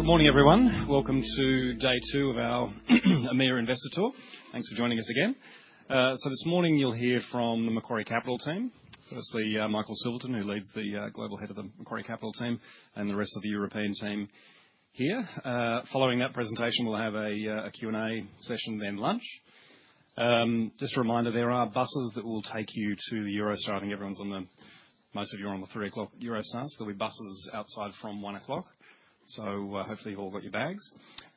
All right, good morning, everyone. Welcome to day two of our Amir Investor Tour. Thanks for joining us again. This morning you'll hear from the Macquarie Capital team. Firstly, Michael Silverton, who is the Global Head of the Macquarie Capital team, and the rest of the European team here. Following that presentation, we'll have a Q&A session, then lunch. Just a reminder, there are buses that will take you to the Eurostar thing. Everyone's on the, most of you are on the 3 o'clock Eurostars. There'll be buses outside from 1 o'clock, so hopefully you've all got your bags.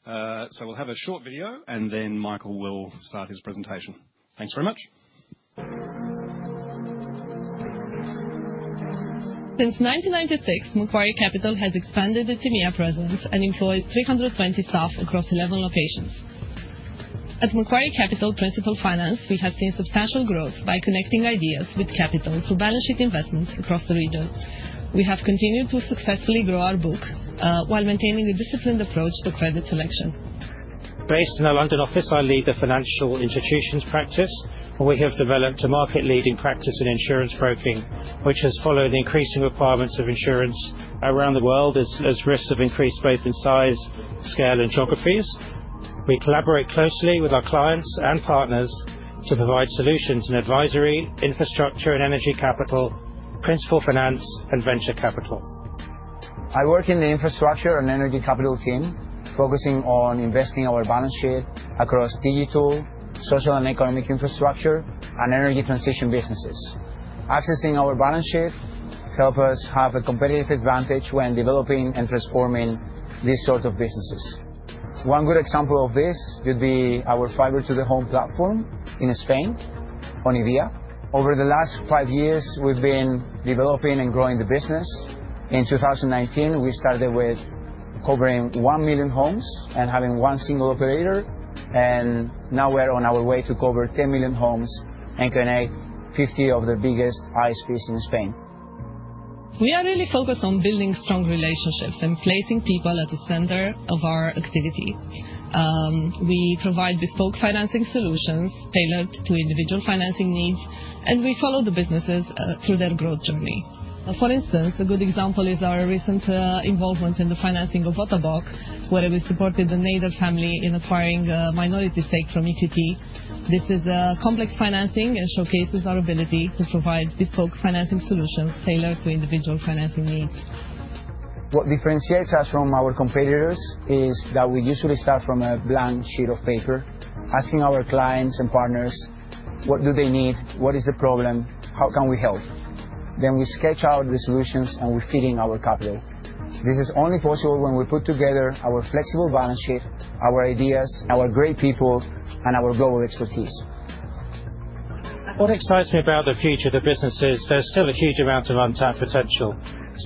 We'll have a short video, and then Michael will start his presentation. Thanks very much. Since 1996, Macquarie Capital has expanded its EMEA presence and employs 320 staff across 11 locations. At Macquarie Capital Principal Finance, we have seen substantial growth by connecting ideas with capital through balance sheet investments across the region. We have continued to successfully grow our book while maintaining a disciplined approach to credit selection. Based in our London office, I lead the financial institutions practice, and we have developed a market-leading practice in insurance broking, which has followed the increasing requirements of insurance around the world as risks have increased both in size, scale, and geographies. We collaborate closely with our clients and partners to provide solutions in advisory, infrastructure and energy capital, principal finance, and venture capital. I work in the infrastructure and energy capital team, focusing on investing our balance sheet across digital, social, and economic infrastructure and energy transition businesses. Accessing our balance sheet helps us have a competitive advantage when developing and transforming these sorts of businesses. One good example of this would be our fiber-to-the-home platform in Spain, Onivia. Over the last five years, we've been developing and growing the business. In 2019, we started with covering 1 million homes and having one single operator, and now we're on our way to cover 10 million homes and connect 50 of the biggest ISPs in Spain. We are really focused on building strong relationships and placing people at the center of our activity. We provide bespoke financing solutions tailored to individual financing needs, and we follow the businesses through their growth journey. For instance, a good example is our recent involvement in the financing of Ottobock, where we supported the Nader family in acquiring a minority stake from EQT. This is complex financing and showcases our ability to provide bespoke financing solutions tailored to individual financing needs. What differentiates us from our competitors is that we usually start from a blank sheet of paper, asking our clients and partners, what do they need, what is the problem, how can we help? Then we sketch out the solutions and we feed in our capital. This is only possible when we put together our flexible balance sheet, our ideas, our great people, and our global expertise. What excites me about the future of the business is there's still a huge amount of untapped potential.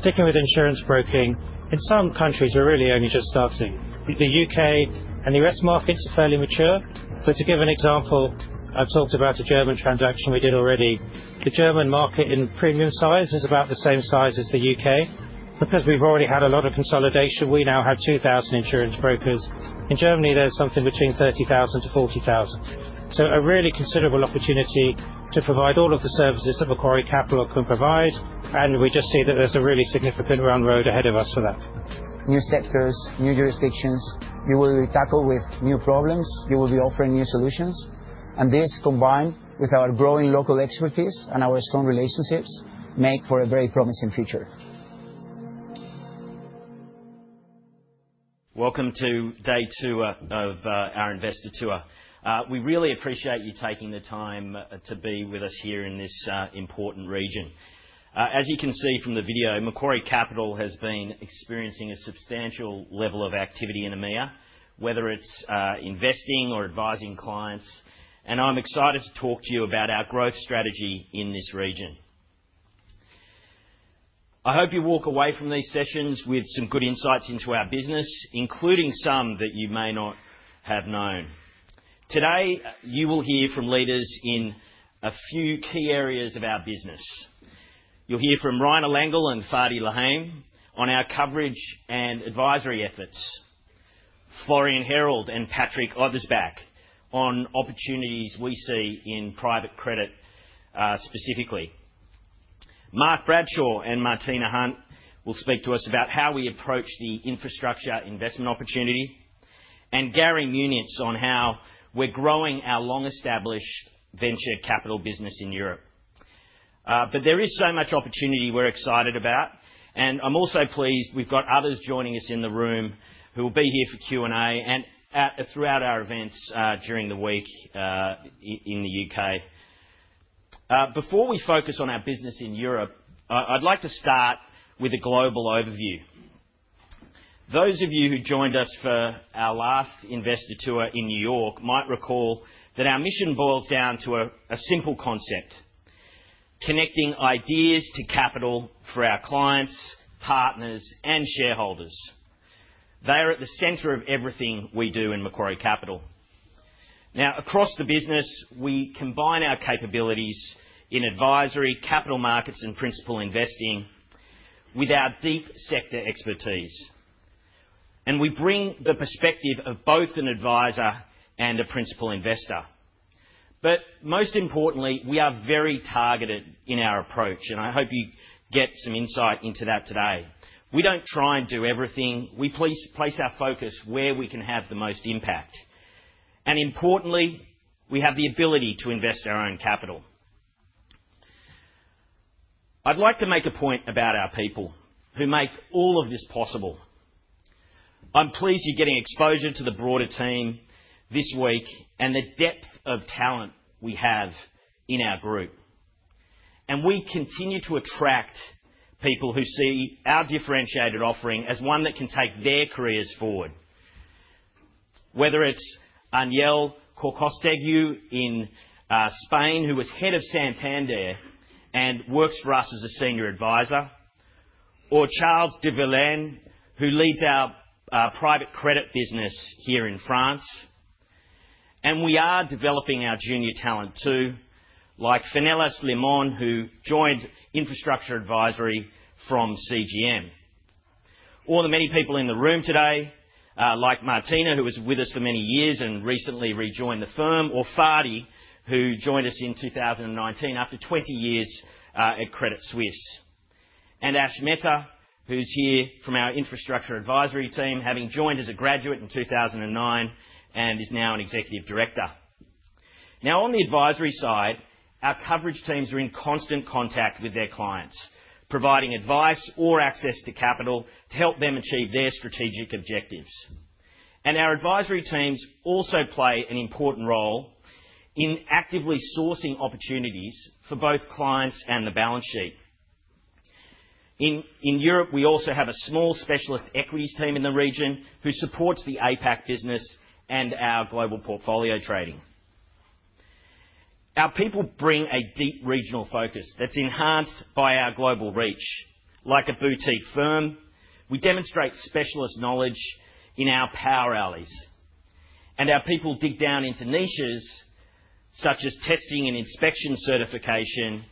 Sticking with insurance broking, in some countries, we're really only just starting. The U.K. and the U.S. markets are fairly mature, but to give an example, I've talked about a German transaction we did already. The German market in premium size is about the same size as the U.K. Because we've already had a lot of consolidation, we now have 2,000 insurance brokers. In Germany, there's something between 30,000-40,000. A really considerable opportunity to provide all of the services that Macquarie Capital can provide, and we just see that there's a really significant runway ahead of us for that. New sectors, new jurisdictions, you will be tackled with new problems, you will be offering new solutions, and this combined with our growing local expertise and our strong relationships makes for a very promising future. Welcome to day two of our Investor Tour. We really appreciate you taking the time to be with us here in this important region. As you can see from the video, Macquarie Capital has been experiencing a substantial level of activity in EMEA, whether it's investing or advising clients, and I'm excited to talk to you about our growth strategy in this region. I hope you walk away from these sessions with some good insights into our business, including some that you may not have known. Today, you will hear from leaders in a few key areas of our business. You'll hear from Rainer Lange and Fady Lahame, on our coverage and advisory efforts. Florian Herold and Patrick Ottersbach, on opportunities we see in private credit specifically. Mark Redshaw and Martina Hunt, will speak to us about how we approach the infrastructure investment opportunity, and Gary Munitz, on how we're growing our long-established venture capital business in Europe. There is so much opportunity we're excited about, and I'm also pleased we've got others joining us in the room who will be here for Q&A and throughout our events during the week in the U.K. Before we focus on our business in Europe, I'd like to start with a global overview. Those of you who joined us for our last Investor Tour in New York might recall that our mission boils down to a simple concept: connecting ideas to capital for our clients, partners, and shareholders. They are at the center of everything we do in Macquarie Capital. Now, across the business, we combine our capabilities in advisory, capital markets, and principal investing with our deep sector expertise, and we bring the perspective of both an advisor and a principal investor. Most importantly, we are very targeted in our approach, and I hope you get some insight into that today. We do not try and do everything. We place our focus where we can have the most impact. Importantly, we have the ability to invest our own capital. I'd like to make a point about our people who make all of this possible. I'm pleased you're getting exposure to the broader team this week and the depth of talent we have in our group. We continue to attract people who see our differentiated offering as one that can take their careers forward. Whether it's Aniel Corcastegue in Spain, who is head of Santander and works for us as a Senior Advisor, or Charles D'Villene, who leads our private credit business here in France. We are developing our junior talent too, like Funelos Limon, who joined infrastructure advisory from CGM. The many people in the room today, like Martina, who was with us for many years and recently rejoined the firm, or Fady, who joined us in 2019 after 20 years at Credit Suisse. Ash Mehta, who's here from our infrastructure advisory team, having joined as a graduate in 2009 and is now an Executive Director. Now, on the advisory side, our coverage teams are in constant contact with their clients, providing advice or access to capital to help them achieve their strategic objectives. Our advisory teams also play an important role in actively sourcing opportunities for both clients and the balance sheet. In Europe, we also have a small specialist equities team in the region who supports the APAC business and our global portfolio trading. Our people bring a deep regional focus that's enhanced by our global reach. Like a boutique firm, we demonstrate specialist knowledge in our power alleys, and our people dig down into niches such as testing and inspection certification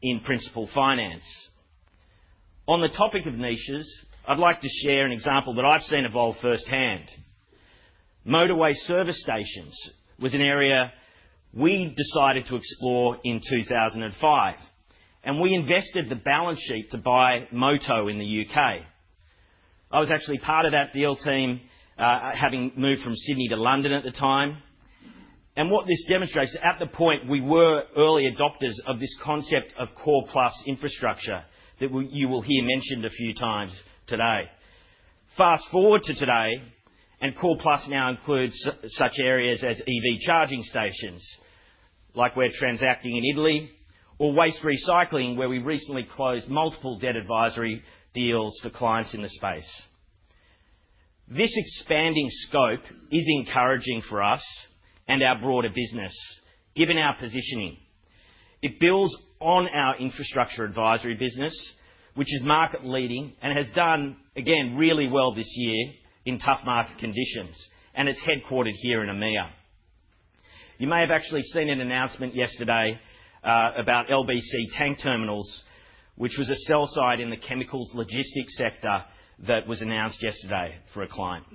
in principal finance. On the topic of niches, I'd like to share an example that I've seen evolve firsthand. Motorway service stations was an area we decided to explore in 2005, and we invested the balance sheet to buy Moto in the U.K. I was actually part of that deal team, having moved from Sydney to London at the time. What this demonstrates at the point, we were early adopters of this concept of core plus infrastructure that you will hear mentioned a few times today. Fast forward to today, and core plus now includes such areas as EV charging stations, like we're transacting in Italy, or waste recycling, where we recently closed multiple debt advisory deals for clients in the space. This expanding scope is encouraging for us and our broader business, given our positioning. It builds on our infrastructure advisory business, which is market-leading and has done, again, really well this year in tough market conditions, and it's headquartered here in EMEA. You may have actually seen an announcement yesterday about LBC Tank Terminals, which was a sell-side in the chemicals logistics sector that was announced yesterday for a client.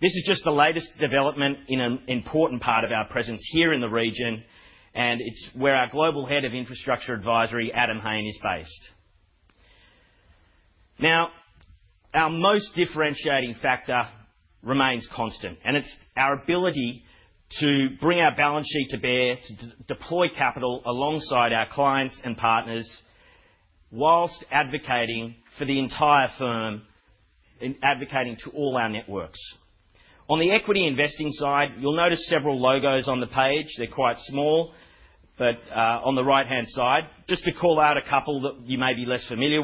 This is just the latest development in an important part of our presence here in the region, and it's where our Global Head of Infrastructure Advisory, Adam Hayne, is based. Now, our most differentiating factor remains constant, and it's our ability to bring our balance sheet to bear, to deploy capital alongside our clients and partners, whilst advocating for the entire firm and advocating to all our networks. On the equity investing side, you'll notice several logos on the page. They're quite small, but on the right-hand side, just to call out a couple that you may be less familiar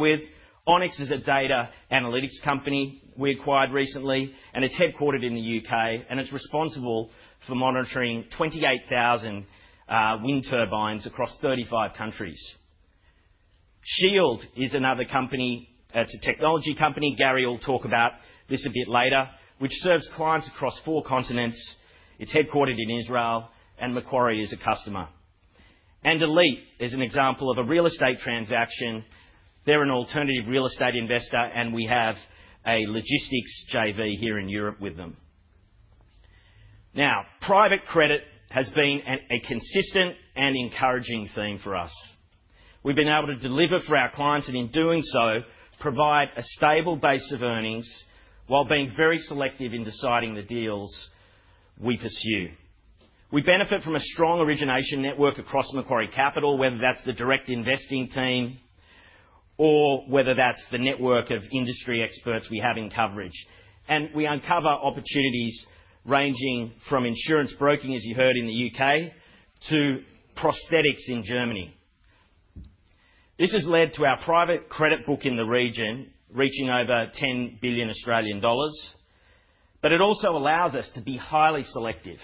with, Onyx is a data analytics company we acquired recently, and it's headquartered in the U.K., and it's responsible for monitoring 28,000 wind turbines across 35 countries. Shield is another technology company. Gary will talk about this a bit later, which serves clients across four continents. It's headquartered in Israel, and Macquarie is a customer. Elite is an example of a real estate transaction. They're an alternative real estate investor, and we have a logistics JV here in Europe with them. Private credit has been a consistent and encouraging theme for us. We've been able to deliver for our clients and, in doing so, provide a stable base of earnings while being very selective in deciding the deals we pursue. We benefit from a strong origination network across Macquarie Capital, whether that's the direct investing team or whether that's the network of industry experts we have in coverage. We uncover opportunities ranging from insurance broking, as you heard in the U.K., to prosthetics in Germany. This has led to our private credit book in the region reaching over 10 billion Australian dollars, but it also allows us to be highly selective.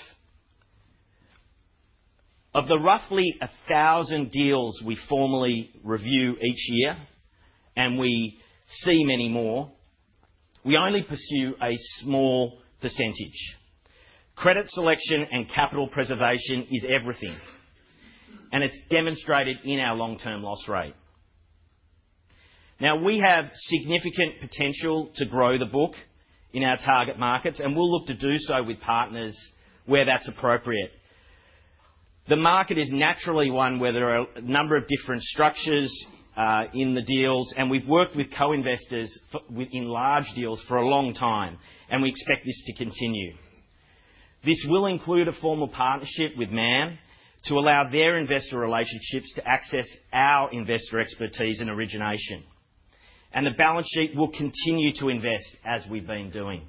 Of the roughly 1,000 deals we formally review each year, and we see many more, we only pursue a small percentage. Credit selection and capital preservation is everything, and it's demonstrated in our long-term loss rate. Now, we have significant potential to grow the book in our target markets, and we'll look to do so with partners where that's appropriate. The market is naturally one where there are a number of different structures in the deals, and we've worked with co-investors in large deals for a long time, and we expect this to continue. This will include a formal partnership with MAM to allow their investor relationships to access our investor expertise and origination. The balance sheet will continue to invest as we've been doing.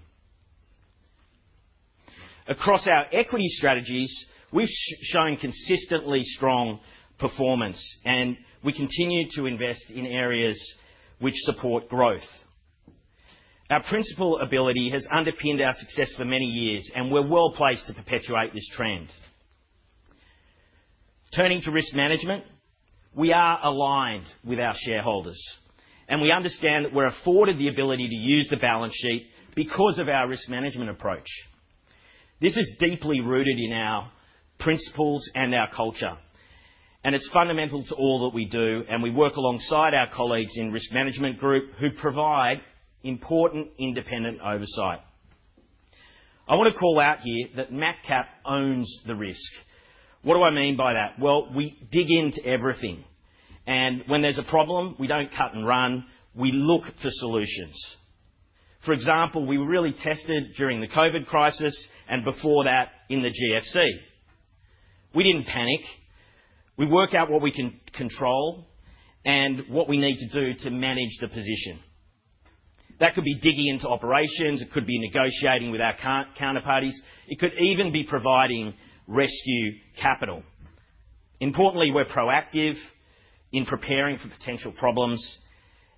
Across our equity strategies, we've shown consistently strong performance, and we continue to invest in areas which support growth. Our principal ability has underpinned our success for many years, and we're well placed to perpetuate this trend. Turning to risk management, we are aligned with our shareholders, and we understand that we're afforded the ability to use the balance sheet because of our risk management approach. This is deeply rooted in our principles and our culture, and it's fundamental to all that we do, and we work alongside our colleagues in the risk management group who provide important independent oversight. I want to call out here that MacCap owns the risk. What do I mean by that? We dig into everything, and when there's a problem, we don't cut and run. We look for solutions. For example, we were really tested during the COVID crisis and before that in the GFC. We didn't panic. We work out what we can control and what we need to do to manage the position. That could be digging into operations. It could be negotiating with our counterparties. It could even be providing rescue capital. Importantly, we're proactive in preparing for potential problems,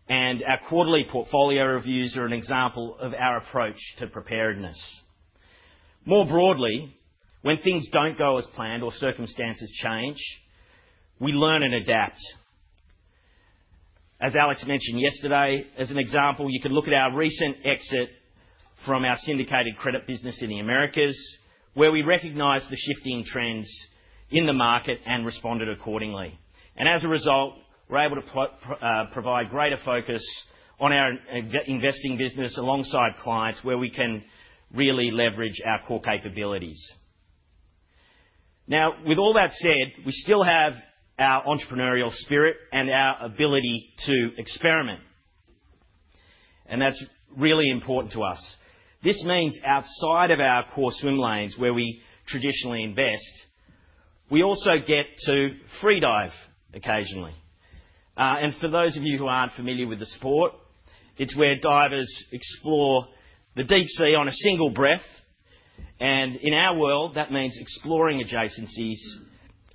and our quarterly portfolio reviews are an example of our approach to preparedness. More broadly, when things don't go as planned or circumstances change, we learn and adapt. As Alex mentioned yesterday, as an example, you can look at our recent exit from our syndicated credit business in the Americas, where we recognized the shifting trends in the market and responded accordingly. As a result, we're able to provide greater focus on our investing business alongside clients where we can really leverage our core capabilities. Now, with all that said, we still have our entrepreneurial spirit and our ability to experiment, and that's really important to us. This means outside of our core swim lanes where we traditionally invest, we also get to free dive occasionally. For those of you who aren't familiar with the sport, it's where divers explore the deep sea on a single breath, and in our world, that means exploring adjacencies,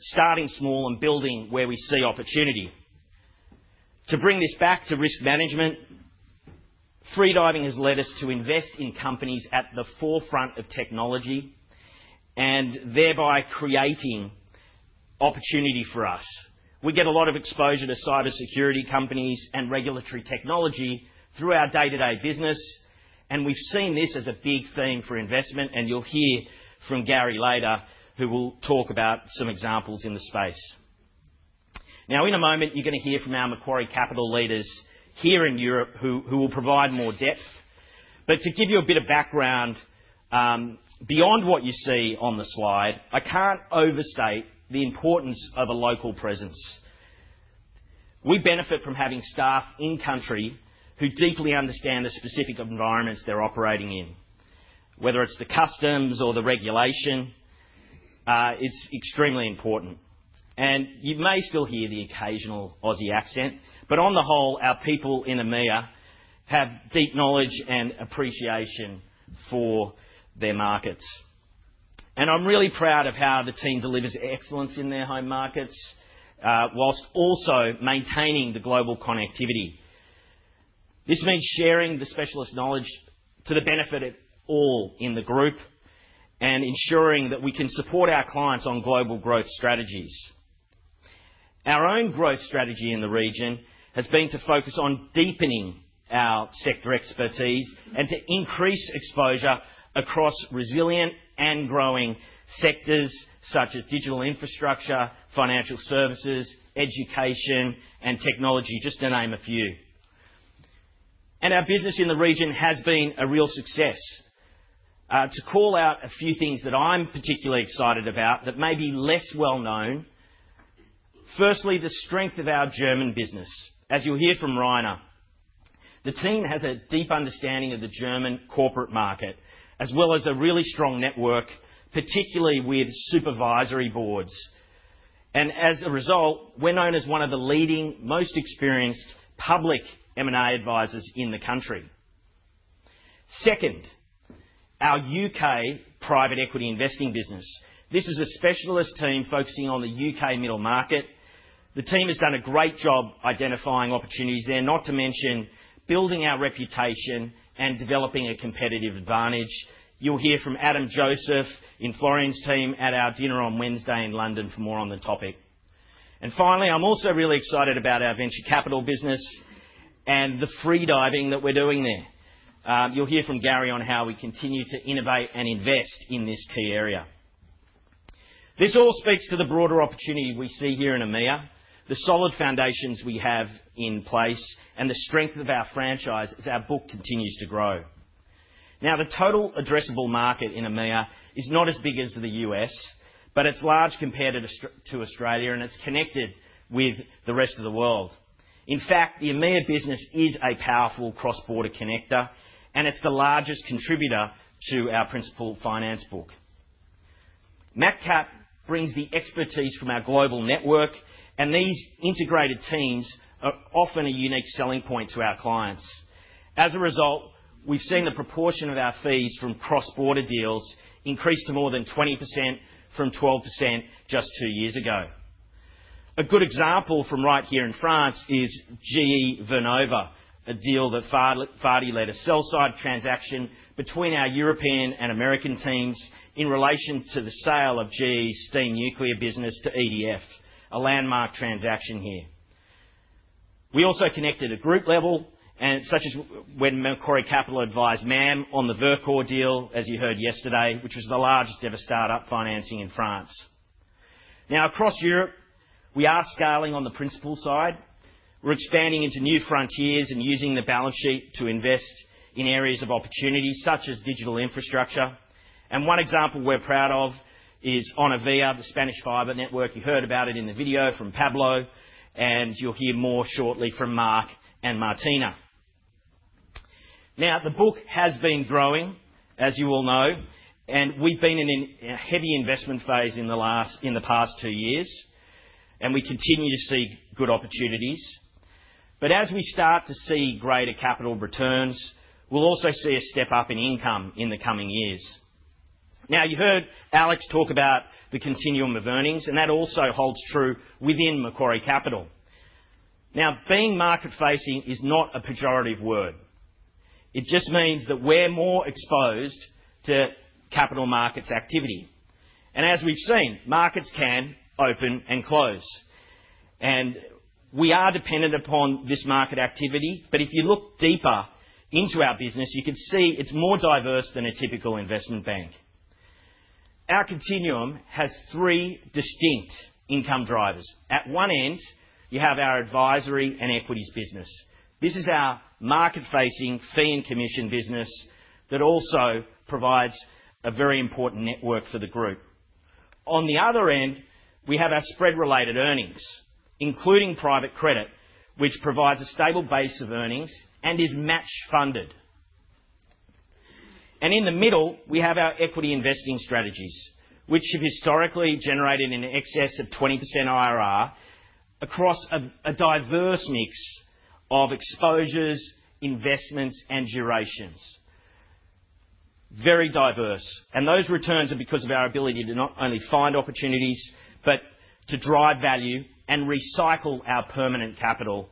starting small, and building where we see opportunity. To bring this back to risk management, free diving has led us to invest in companies at the forefront of technology and thereby creating opportunity for us. We get a lot of exposure to cybersecurity companies and regulatory technology through our day-to-day business, and we've seen this as a big theme for investment, and you'll hear from Gary later, who will talk about some examples in the space. Now, in a moment, you're going to hear from our Macquarie Capital leaders here in Europe who will provide more depth. To give you a bit of background, beyond what you see on the slide, I can't overstate the importance of a local presence. We benefit from having staff in-country who deeply understand the specific environments they're operating in, whether it's the customs or the regulation. It's extremely important. You may still hear the occasional Aussie accent, but on the whole, our people in EMEA have deep knowledge and appreciation for their markets. I'm really proud of how the team delivers excellence in their home markets whilst also maintaining the global connectivity. This means sharing the specialist knowledge to the benefit of all in the group and ensuring that we can support our clients on global growth strategies. Our own growth strategy in the region has been to focus on deepening our sector expertise and to increase exposure across resilient and growing sectors such as digital infrastructure, financial services, education, and technology, just to name a few. Our business in the region has been a real success. To call out a few things that I'm particularly excited about that may be less well-known, firstly, the strength of our German business. As you'll hear from Rainer, the team has a deep understanding of the German corporate market as well as a really strong network, particularly with supervisory boards. As a result, we're known as one of the leading, most experienced public M&A advisors in the country. Second, our U.K. private equity investing business. This is a specialist team focusing on the U.K. middle market. The team has done a great job identifying opportunities there, not to mention building our reputation and developing a competitive advantage. You will hear from Adam Joseph in Florian's team at our dinner on Wednesday in London for more on the topic. Finally, I am also really excited about our venture capital business and the free diving that we are doing there. You will hear from Gary on how we continue to innovate and invest in this key area. This all speaks to the broader opportunity we see here in EMEA, the solid foundations we have in place, and the strength of our franchise as our book continues to grow. Now, the total addressable market in EMEA is not as big as the US, but it is large compared to Australia, and it is connected with the rest of the world. In fact, the EMEA business is a powerful cross-border connector, and it's the largest contributor to our principal finance book. MacCap brings the expertise from our global network, and these integrated teams are often a unique selling point to our clients. As a result, we've seen the proportion of our fees from cross-border deals increase to more than 20% from 12% just two years ago. A good example from right here in France is GE Vernova, a deal that Fady led, a sell-side transaction between our European and American teams in relation to the sale of GE's steam nuclear business to EDF, a landmark transaction here. We also connected at group level, such as when Macquarie Capital advised MAM on the Verkor deal, as you heard yesterday, which was the largest ever startup financing in France. Now, across Europe, we are scaling on the principal side. We're expanding into new frontiers and using the balance sheet to invest in areas of opportunity such as digital infrastructure. One example we're proud of is Onivia, the Spanish fiber network. You heard about it in the video from Pablo, and you'll hear more shortly from Mark and Martina. The book has been growing, as you all know, and we've been in a heavy investment phase in the past two years, and we continue to see good opportunities. As we start to see greater capital returns, we'll also see a step up in income in the coming years. You heard Alex talk about the continuum of earnings, and that also holds true within Macquarie Capital. Being market-facing is not a pejorative word. It just means that we're more exposed to capital markets activity. As we've seen, markets can open and close, and we are dependent upon this market activity. If you look deeper into our business, you can see it's more diverse than a typical investment bank. Our continuum has three distinct income drivers. At one end, you have our advisory and equities business. This is our market-facing fee and commission business that also provides a very important network for the group. On the other end, we have our spread-related earnings, including private credit, which provides a stable base of earnings and is match-funded. In the middle, we have our equity investing strategies, which have historically generated an excess of 20% IRR across a diverse mix of exposures, investments, and durations. Very diverse. Those returns are because of our ability to not only find opportunities but to drive value and recycle our permanent capital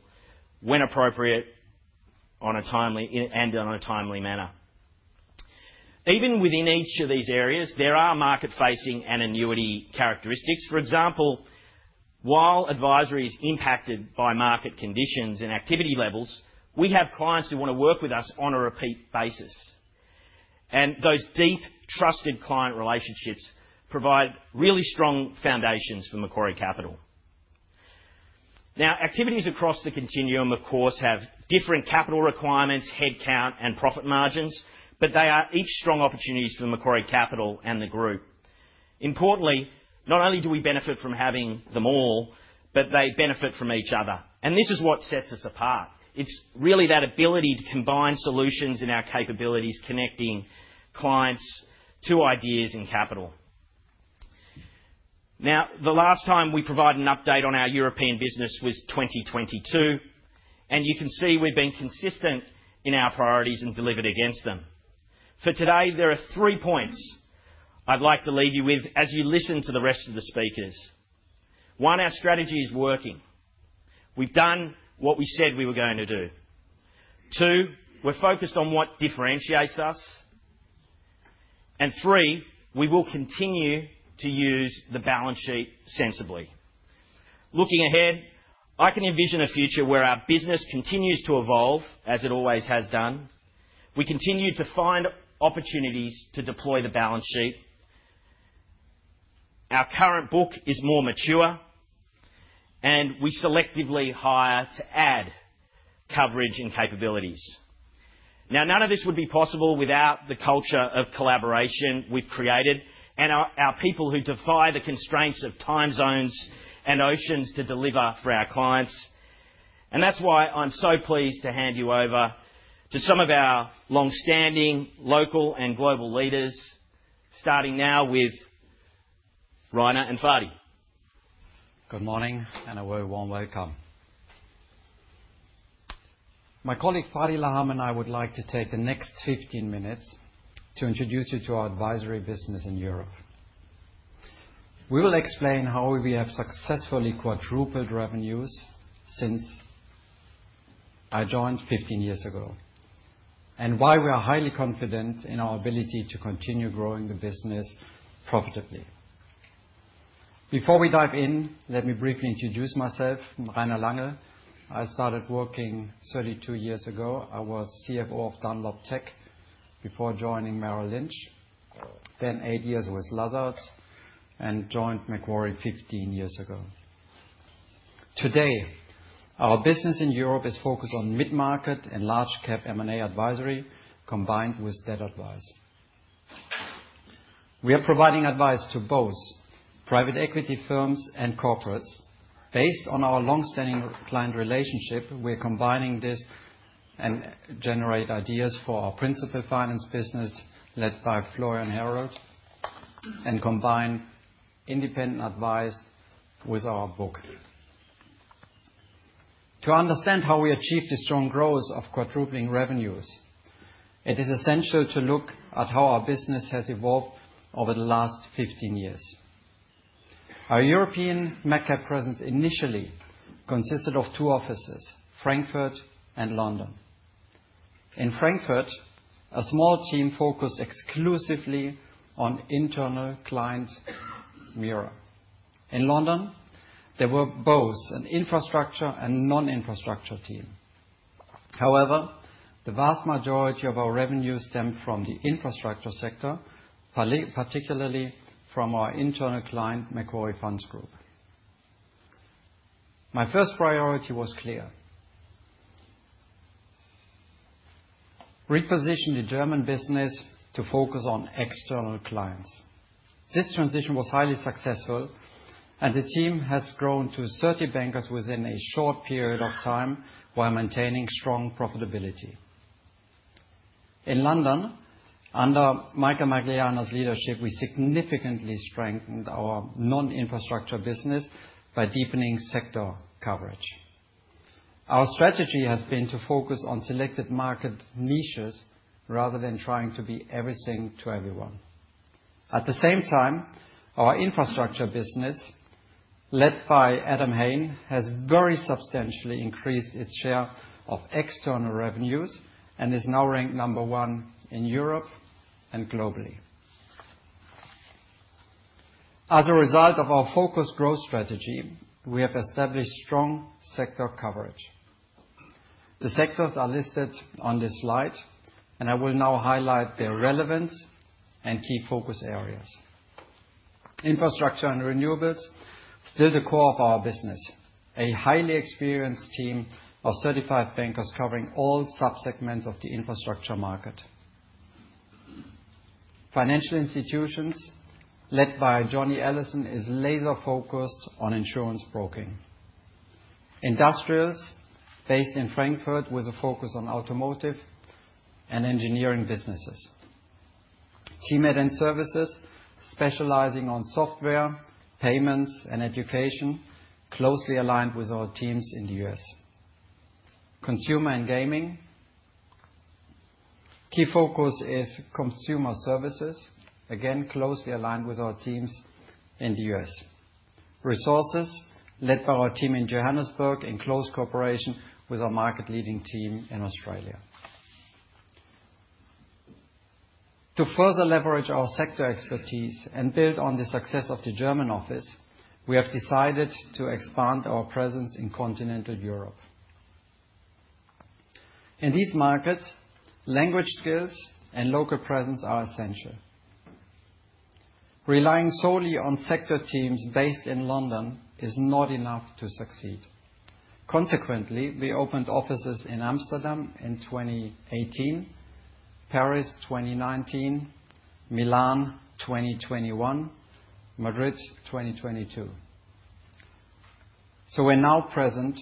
when appropriate and in a timely manner. Even within each of these areas, there are market-facing and annuity characteristics. For example, while advisory is impacted by market conditions and activity levels, we have clients who want to work with us on a repeat basis. Those deep, trusted client relationships provide really strong foundations for Macquarie Capital. Now, activities across the continuum, of course, have different capital requirements, headcount, and profit margins, but they are each strong opportunities for Macquarie Capital and the group. Importantly, not only do we benefit from having them all, but they benefit from each other. This is what sets us apart. It's really that ability to combine solutions in our capabilities, connecting clients to ideas and capital. Now, the last time we provided an update on our European business was 2022, and you can see we've been consistent in our priorities and delivered against them. For today, there are three points I'd like to leave you with as you listen to the rest of the speakers. One, our strategy is working. We've done what we said we were going to do. Two, we're focused on what differentiates us. And three, we will continue to use the balance sheet sensibly. Looking ahead, I can envision a future where our business continues to evolve as it always has done. We continue to find opportunities to deploy the balance sheet. Our current book is more mature, and we selectively hire to add coverage and capabilities. Now, none of this would be possible without the culture of collaboration we've created and our people who defy the constraints of time zones and oceans to deliver for our clients. That is why I'm so pleased to hand you over to some of our longstanding local and global leaders, starting now with Rainer and Fady. Good morning, and a very warm welcome. My colleague Fady Lahame and I, would like to take the next 15 minutes to introduce you to our advisory business in Europe. We will explain how we have successfully quadrupled revenues since I joined 15 years ago and why we are highly confident in our ability to continue growing the business profitably. Before we dive in, let me briefly introduce myself. I'm Rainer Lange. I started working 32 years ago. I was CFO of Dunlop Tech before joining Merrill Lynch, then eight years with Lazard and joined Macquarie 15 years ago. Today, our business in Europe is focused on mid-market and large-cap M&A advisory combined with debt advice. We are providing advice to both private equity firms and corporates. Based on our longstanding client relationship, we're combining this and generating ideas for our principal finance business led by Florian Herold and combining independent advice with our book. To understand how we achieved this strong growth of quadrupling revenues, it is essential to look at how our business has evolved over the last 15 years. Our European MacCap presence initially consisted of two offices: Frankfurt and London. In Frankfurt, a small team focused exclusively on internal client mirror. In London, there were both an infrastructure and non-infrastructure team. However, the vast majority of our revenues stemmed from the infrastructure sector, particularly from our internal client, Macquarie Funds Group. My first priority was clear: reposition the German business to focus on external clients. This transition was highly successful, and the team has grown to 30 bankers within a short period of time while maintaining strong profitability. In London, under Michael Magliano's leadership, we significantly strengthened our non-infrastructure business by deepening sector coverage. Our strategy has been to focus on selected market niches rather than trying to be everything to everyone. At the same time, our infrastructure business, led by Adam Hayne, has very substantially increased its share of external revenues and is now ranked number one in Europe and globally. As a result of our focused growth strategy, we have established strong sector coverage. The sectors are listed on this slide, and I will now highlight their relevance and key focus areas. Infrastructure and renewables are still the core of our business, a highly experienced team of 35 bankers covering all subsegments of the infrastructure market. Financial institutions, led by Johnny Ellison, are laser-focused on insurance broking. Industrials, based in Frankfurt, with a focus on automotive and engineering businesses. Team aid and services, specializing in software, payments, and education, are closely aligned with our teams in the US. Consumer and gaming, the key focus is consumer services, again closely aligned with our teams in the US. Resources, led by our team in Johannesburg, in close cooperation with our market-leading team in Australia. To further leverage our sector expertise and build on the success of the German office, we have decided to expand our presence in continental Europe. In these markets, language skills and local presence are essential. Relying solely on sector teams based in London is not enough to succeed. Consequently, we opened offices in Amsterdam in 2018, Paris 2019, Milan 2021, Madrid 2022. We are now present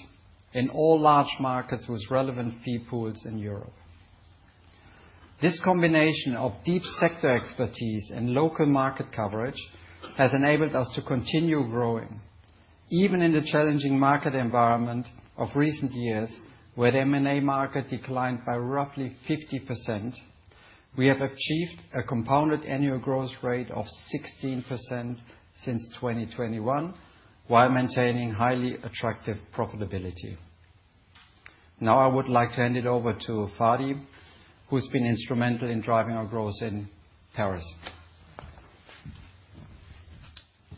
in all large markets with relevant fee pools in Europe. This combination of deep sector expertise and local market coverage has enabled us to continue growing. Even in the challenging market environment of recent years, where the M&A market declined by roughly 50%, we have achieved a compounded annual growth rate of 16% since 2021 while maintaining highly attractive profitability. Now, I would like to hand it over to Fady, who's been instrumental in driving our growth in Paris.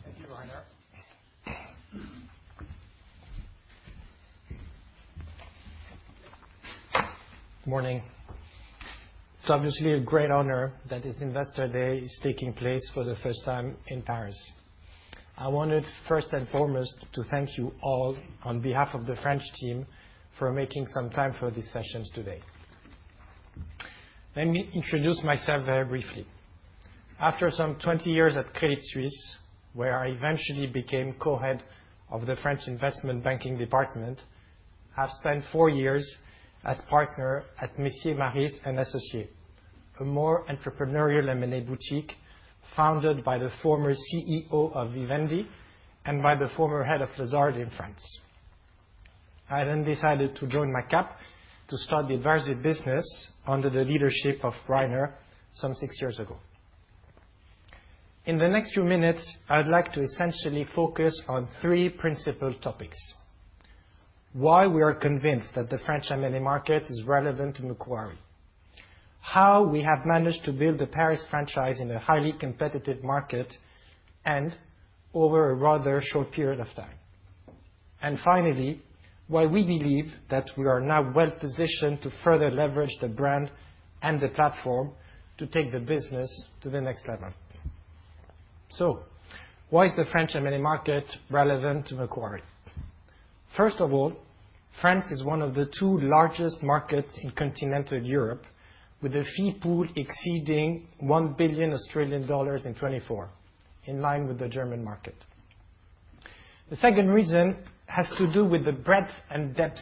Thank you, Rainer. Good morning. It's obviously a great honor that this Investor Day is taking place for the first time in Paris. I wanted, first and foremost, to thank you all on behalf of the French team for making some time for these sessions today. Let me introduce myself very briefly. After some 20 years at Credit Suisse, where I eventually became co-head of the French investment banking department, I've spent four years as partner at Monsieur Maris and Associates, a more entrepreneurial M&A boutique founded by the former CEO of Vivendi and by the former head of Lazard in France. I then decided to join Macquarie Capital to start the advisory business under the leadership of Rainer some six years ago. In the next few minutes, I'd like to essentially focus on three principal topics: why we are convinced that the French M&A market is relevant to Macquarie, how we have managed to build the Paris franchise in a highly competitive market and over a rather short period of time, and finally, why we believe that we are now well-positioned to further leverage the brand and the platform to take the business to the next level. Why is the French M&A market relevant to Macquarie? First of all, France is one of the two largest markets in continental Europe, with a fee pool exceeding 1 billion Australian dollars in 2024, in line with the German market. The second reason has to do with the breadth and depth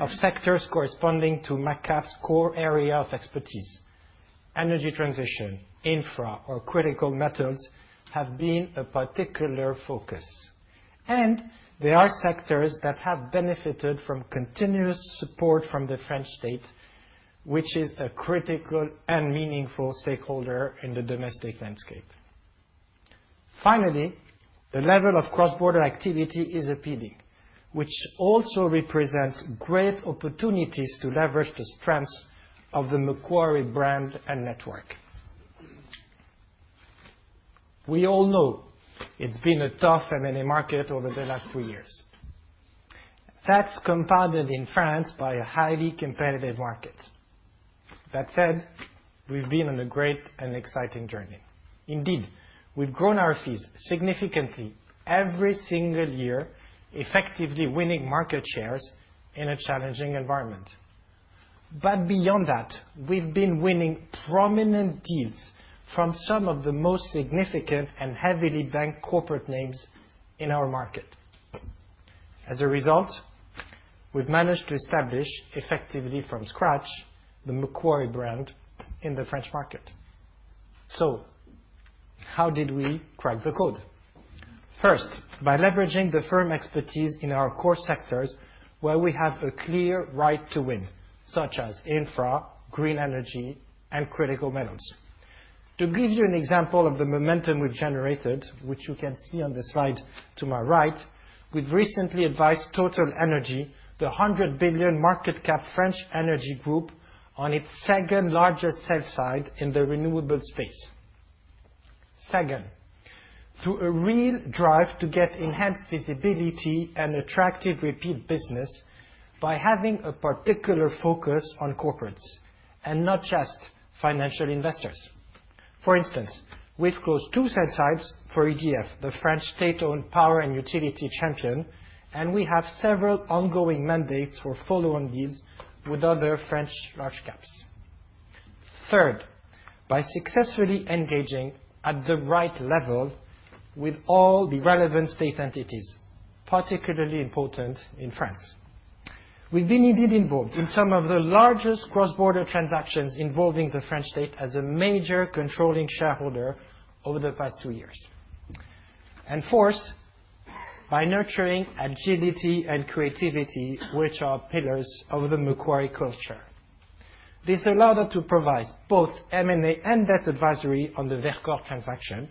of sectors corresponding to MacCap's core area of expertise. Energy transition, infra, or critical metals have been a particular focus. There are sectors that have benefited from continuous support from the French state, which is a critical and meaningful stakeholder in the domestic landscape. Finally, the level of cross-border activity is appealing, which also represents great opportunities to leverage the strengths of the Macquarie brand and network. We all know it's been a tough M&A market over the last three years. That's compounded in France by a highly competitive market. That said, we've been on a great and exciting journey. Indeed, we've grown our fees significantly every single year, effectively winning market shares in a challenging environment. Beyond that, we've been winning prominent deals from some of the most significant and heavily banked corporate names in our market. As a result, we've managed to establish, effectively from scratch, the Macquarie brand in the French market. How did we crack the code? First, by leveraging the firm expertise in our core sectors where we have a clear right to win, such as infra, green energy, and critical metals. To give you an example of the momentum we've generated, which you can see on the slide to my right, we've recently advised TotalEnergies, the 100 billion market-cap French energy group, on its second-largest sell-side in the renewable space. Second, through a real drive to get enhanced visibility and attractive repeat business by having a particular focus on corporates and not just financial investors. For instance, we've closed two sell-sides for EDF, the French state-owned power and utility champion, and we have several ongoing mandates for follow-on deals with other French large caps. Third, by successfully engaging at the right level with all the relevant state entities, particularly important in France. We've been indeed involved in some of the largest cross-border transactions involving the French state as a major controlling shareholder over the past two years. By nurturing agility and creativity, which are pillars of the Macquarie culture, this allowed us to provide both M&A and debt advisory on the Verkor transaction,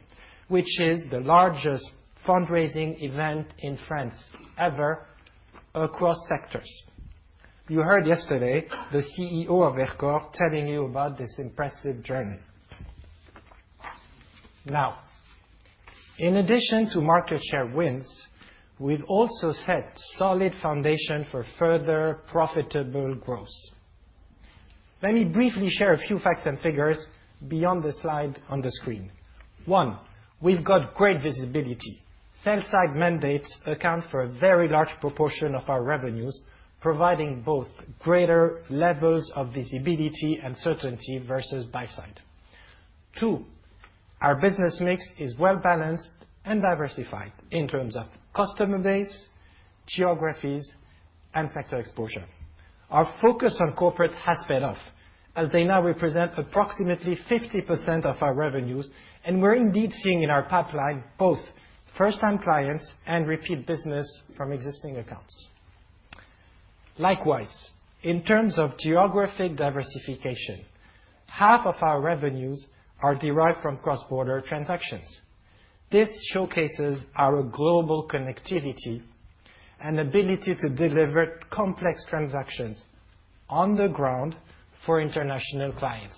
which is the largest fundraising event in France ever across sectors. You heard yesterday the CEO of Verkor, telling you about this impressive journey. Now, in addition to market share wins, we've also set a solid foundation for further profitable growth. Let me briefly share a few facts and figures beyond the slide on the screen. One, we've got great visibility. Sales side mandates account for a very large proportion of our revenues, providing both greater levels of visibility and certainty versus buy-side. Two, our business mix is well-balanced and diversified in terms of customer base, geographies, and sector exposure. Our focus on corporate has paid off, as they now represent approximately 50% of our revenues, and we're indeed seeing in our pipeline both first-time clients and repeat business from existing accounts. Likewise, in terms of geographic diversification, half of our revenues are derived from cross-border transactions. This showcases our global connectivity and ability to deliver complex transactions on the ground for international clients.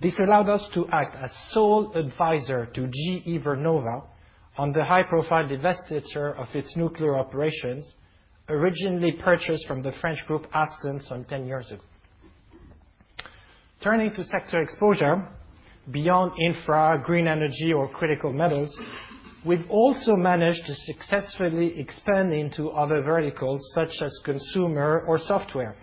This allowed us to act as sole advisor to GE Vernova on the high-profile divestiture of its nuclear operations, originally purchased from the French group Aston some 10 years ago. Turning to sector exposure, beyond infra, green energy, or critical metals, we've also managed to successfully expand into other verticals, such as consumer or software,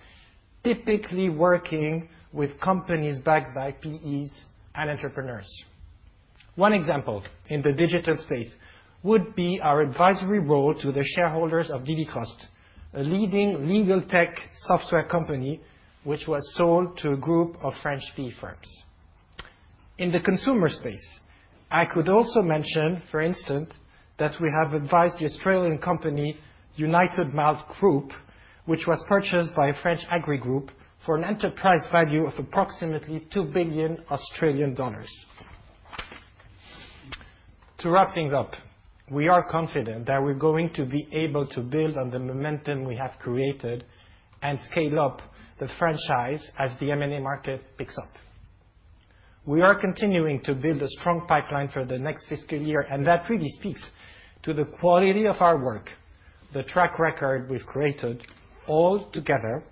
typically working with companies backed by PEs and entrepreneurs. One example in the digital space would be our advisory role to the shareholders of DV Trust, a leading legal tech software company which was sold to a group of French PE firms. In the consumer space, I could also mention, for instance, that we have advised the Australian company United Malt Group, which was purchased by a French agri-group for an enterprise value of approximately 2 billion Australian dollars. To wrap things up, we are confident that we're going to be able to build on the momentum we have created and scale up the franchise as the M&A market picks up. We are continuing to build a strong pipeline for the next fiscal year, and that really speaks to the quality of our work, the track record we've created all together,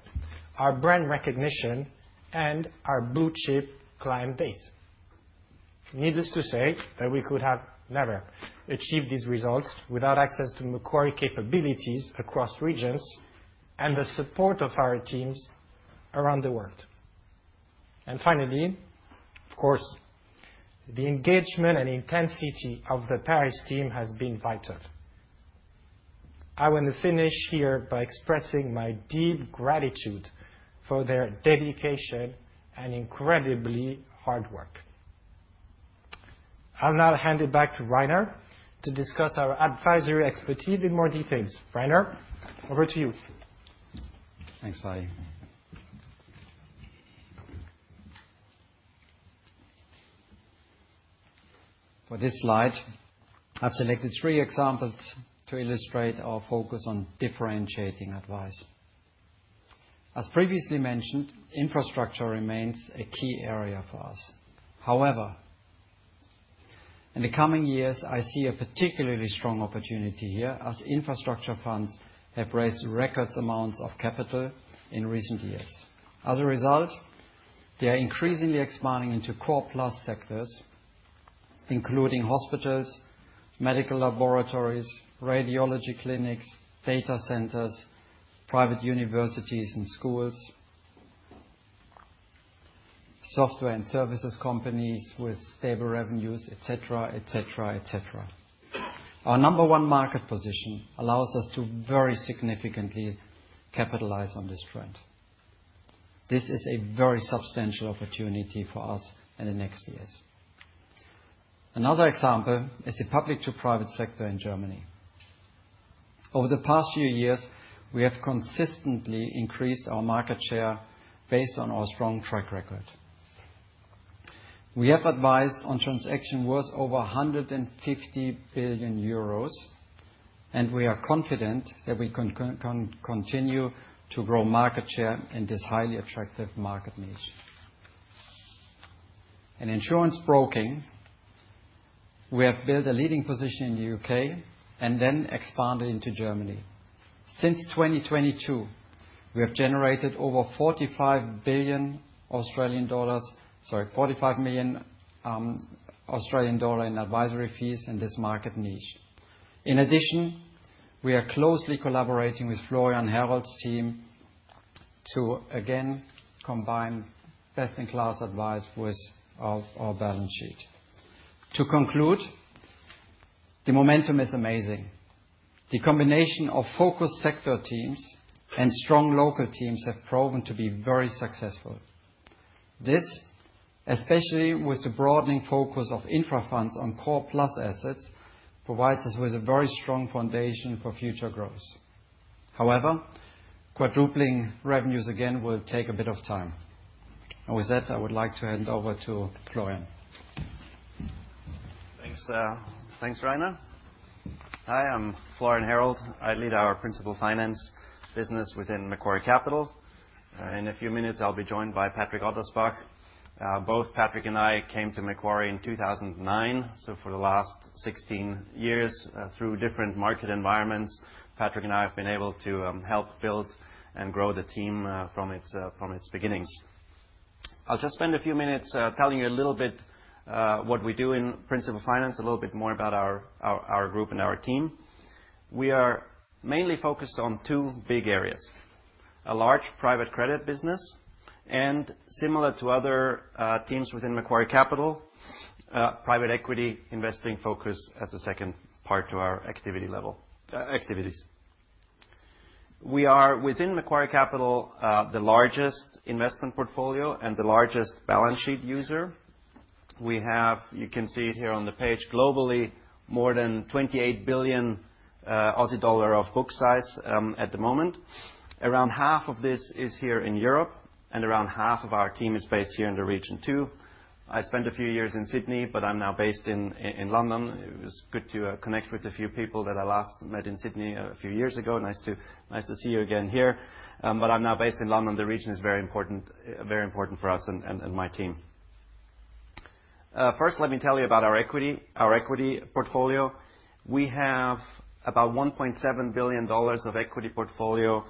our brand recognition, and our blue-chip client base. Needless to say, that we could have never achieved these results without access to Macquarie capabilities across regions and the support of our teams around the world. Finally, of course, the engagement and intensity of the Paris team has been vital. I want to finish here by expressing my deep gratitude for their dedication and incredibly hard work. I'll now hand it back to Rainer to discuss our advisory expertise in more details. Rainer, over to you. Thanks, Fady. For this slide, I've selected three examples to illustrate our focus on differentiating advice. As previously mentioned, infrastructure remains a key area for us. However, in the coming years, I see a particularly strong opportunity here as infrastructure funds have raised record amounts of capital in recent years. As a result, they are increasingly expanding into core plus sectors, including hospitals, medical laboratories, radiology clinics, data centers, private universities and schools, software and services companies with stable revenues, etc., etc., etc. Our number one market position allows us to very significantly capitalize on this trend. This is a very substantial opportunity for us in the next years. Another example is the public-to-private sector in Germany. Over the past few years, we have consistently increased our market share based on our strong track record. We have advised on transactions worth over 150 billion euros, and we are confident that we can continue to grow market share in this highly attractive market niche. In insurance broking, we have built a leading position in the U.K. and then expanded into Germany. Since 2022, we have generated over 45 million Australian dollars in advisory fees in this market niche. In addition, we are closely collaborating with Florian Herold's team to, again, combine best-in-class advice with our balance sheet. To conclude, the momentum is amazing. The combination of focused sector teams and strong local teams has proven to be very successful. This, especially with the broadening focus of infra funds on core plus assets, provides us with a very strong foundation for future growth. However, quadrupling revenues again will take a bit of time. With that, I would like to hand over to Florian. Thanks, Rainer. Hi, I'm Florian Herold. I lead our principal finance business within Macquarie Capital. In a few minutes, I'll be joined by Patrick Ottersbach. Both Patrick and I came to Macquarie in 2009, so for the last 16 years, through different market environments, Patrick and I have been able to help build and grow the team from its beginnings. I'll just spend a few minutes telling you a little bit what we do in principal finance, a little bit more about our group and our team. We are mainly focused on two big areas: a large private credit business and, similar to other teams within Macquarie Capital, private equity investing focus as the second part to our activity level activities. We are, within Macquarie Capital, the largest investment portfolio and the largest balance sheet user. We have—you can see it here on the page—globally more than 28 billion Aussie dollar of book size at the moment. Around half of this is here in Europe, and around half of our team is based here in the region too. I spent a few years in Sydney, but I'm now based in London. It was good to connect with a few people that I last met in Sydney a few years ago. Nice to see you again here. I'm now based in London. The region is very important for us and my team. First, let me tell you about our equity portfolio. We have about $1.7 billion of equity portfolio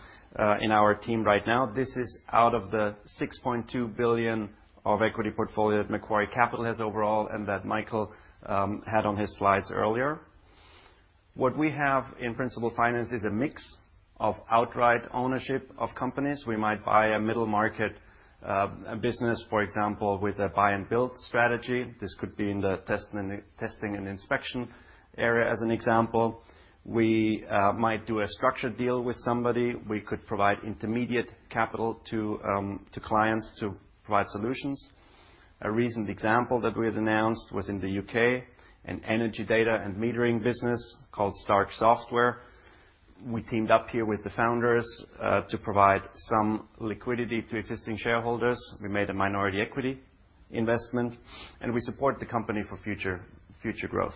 in our team right now. This is out of the $6.2 billion of equity portfolio that Macquarie Capital has overall and that Michael had on his slides earlier. What we have in principal finance is a mix of outright ownership of companies. We might buy a middle market business, for example, with a buy-and-build strategy. This could be in the testing and inspection area, as an example. We might do a structured deal with somebody. We could provide intermediate capital to clients to provide solutions. A recent example that we had announced was in the U.K., an energy data and metering business called Stark Software. We teamed up here with the founders to provide some liquidity to existing shareholders. We made a minority equity investment, and we support the company for future growth.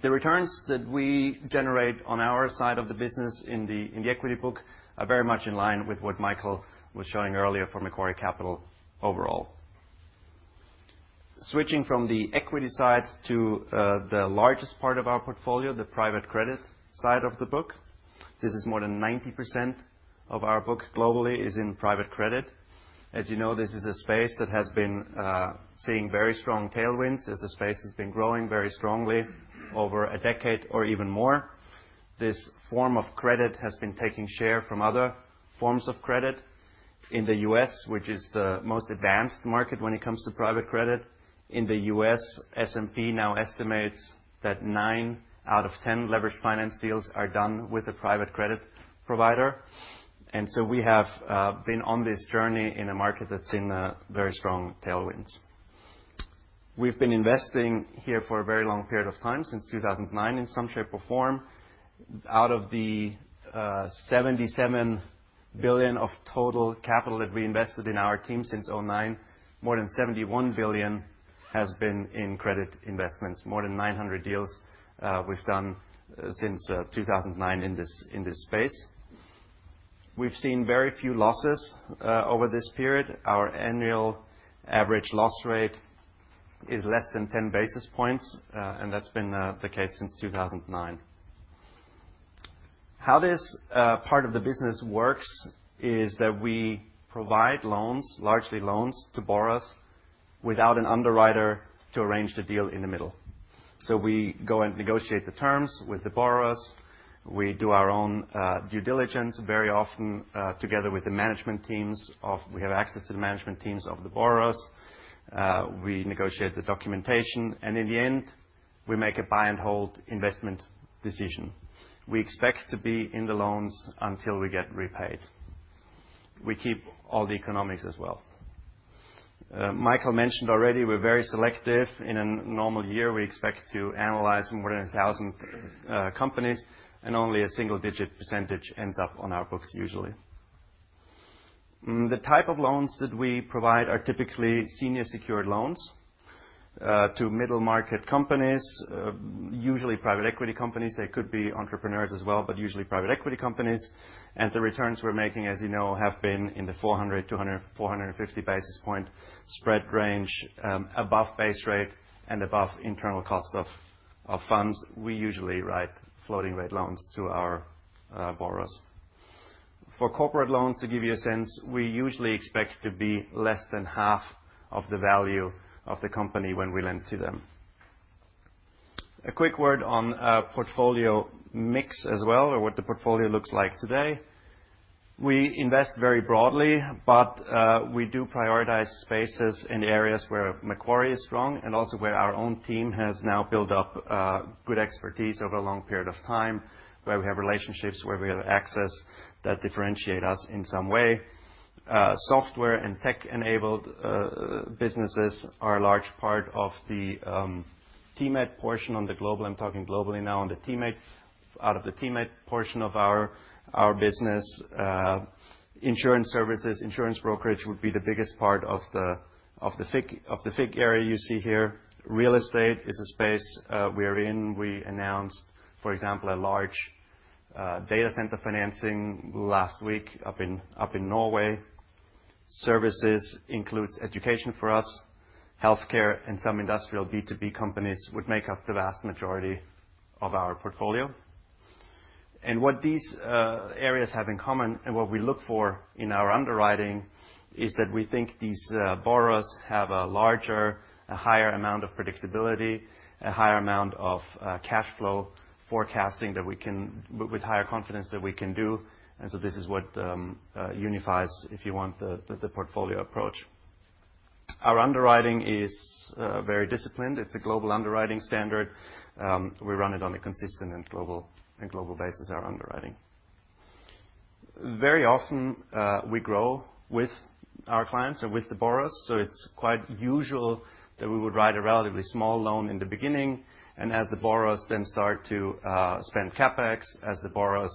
The returns that we generate on our side of the business in the equity book are very much in line with what Michael was showing earlier for Macquarie Capital overall. Switching from the equity side to the largest part of our portfolio, the private credit side of the book, this is more than 90% of our book globally is in private credit. As you know, this is a space that has been seeing very strong tailwinds. It's a space that's been growing very strongly over a decade or even more. This form of credit has been taking share from other forms of credit. In the U.S., which is the most advanced market when it comes to private credit, in the U.S., S&P now estimates that 9 out of 10 leveraged finance deals are done with a private credit provider. We have been on this journey in a market that's in very strong tailwinds. We've been investing here for a very long period of time, since 2009, in some shape or form. Out of the $77 billion of total capital that we invested in our team since 2009, more than $71 billion has been in credit investments, more than 900 deals we've done since 2009 in this space. We've seen very few losses over this period. Our annual average loss rate is less than 10 basis points, and that's been the case since 2009. How this part of the business works is that we provide loans, largely loans, to borrowers without an underwriter to arrange the deal in the middle. We go and negotiate the terms with the borrowers. We do our own due diligence very often together with the management teams of—we have access to the management teams of the borrowers. We negotiate the documentation, and in the end, we make a buy-and-hold investment decision. We expect to be in the loans until we get repaid. We keep all the economics as well. Michael mentioned already, we're very selective. In a normal year, we expect to analyze more than 1,000 companies, and only a single-digit percentage ends up on our books, usually. The type of loans that we provide are typically senior secured loans to middle market companies, usually private equity companies. They could be entrepreneurs as well, but usually private equity companies. The returns we're making, as you know, have been in the 400-450 basis point spread range, above base rate and above internal cost of funds. We usually write floating-rate loans to our borrowers. For corporate loans, to give you a sense, we usually expect to be less than half of the value of the company when we lend to them. A quick word on portfolio mix as well, or what the portfolio looks like today. We invest very broadly, but we do prioritize spaces in areas where Macquarie is strong and also where our own team has now built up good expertise over a long period of time, where we have relationships, where we have access that differentiate us in some way. Software and tech-enabled businesses are a large part of the TMED portion on the global—I am talking globally now on the TMED—out of the TMED portion of our business. Insurance services, insurance brokerage would be the biggest part of the FIG area you see here. Real estate is a space we are in. We announced, for example, a large data center financing last week up in Norway. Services includes education for us, healthcare, and some industrial B2B companies would make up the vast majority of our portfolio. What these areas have in common and what we look for in our underwriting is that we think these borrowers have a larger, a higher amount of predictability, a higher amount of cash flow forecasting that we can, with higher confidence that we can do. This is what unifies, if you want, the portfolio approach. Our underwriting is very disciplined. It is a global underwriting standard. We run it on a consistent and global basis, our underwriting. Very often, we grow with our clients or with the borrowers. It is quite usual that we would write a relatively small loan in the beginning. As the borrowers then start to spend CapEx, as the borrowers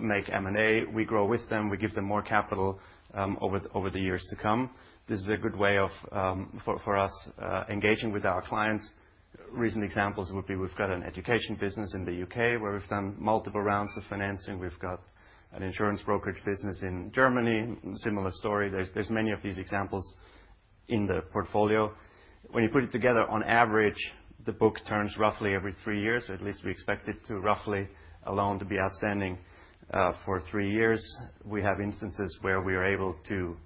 make M&A, we grow with them. We give them more capital over the years to come. This is a good way for us engaging with our clients. Recent examples would be we've got an education business in the U.K. where we've done multiple rounds of financing. We've got an insurance brokerage business in Germany, similar story. There's many of these examples in the portfolio. When you put it together, on average, the book turns roughly every three years, or at least we expect it to roughly, a loan to be outstanding for three years. We have instances where we are able to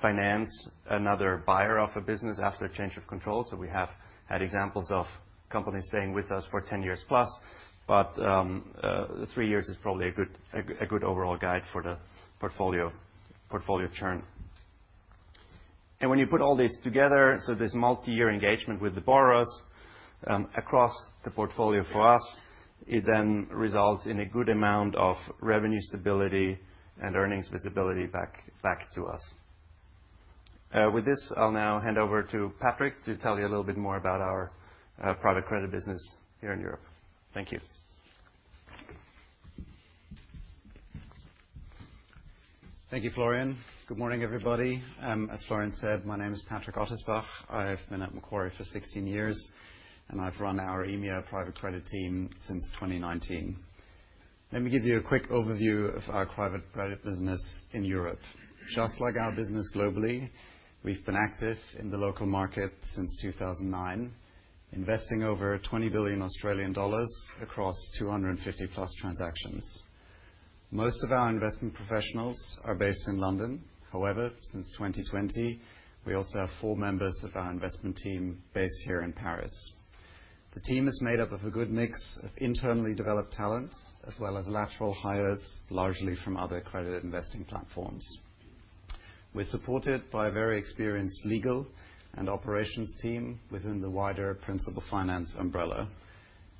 finance another buyer of a business after a change of control. We have had examples of companies staying with us for 10 years plus, but three years is probably a good overall guide for the portfolio churn. When you put all this together, this multi-year engagement with the borrowers across the portfolio for us, it then results in a good amount of revenue stability and earnings visibility back to us. With this, I'll now hand over to Patrick to tell you a little bit more about our private credit business here in Europe. Thank you. Thank you, Florian. Good morning, everybody. As Florian said, my name is Patrick Ottersbach. I've been at Macquarie for 16 years, and I've run our EMEA private credit team since 2019. Let me give you a quick overview of our private credit business in Europe. Just like our business globally, we've been active in the local market since 2009, investing over 20 billion Australian dollars across 250 plus transactions. Most of our investment professionals are based in London. However, since 2020, we also have four members of our investment team based here in Paris. The team is made up of a good mix of internally developed talent as well as lateral hires, largely from other credit investing platforms. We're supported by a very experienced legal and operations team within the wider principal finance umbrella.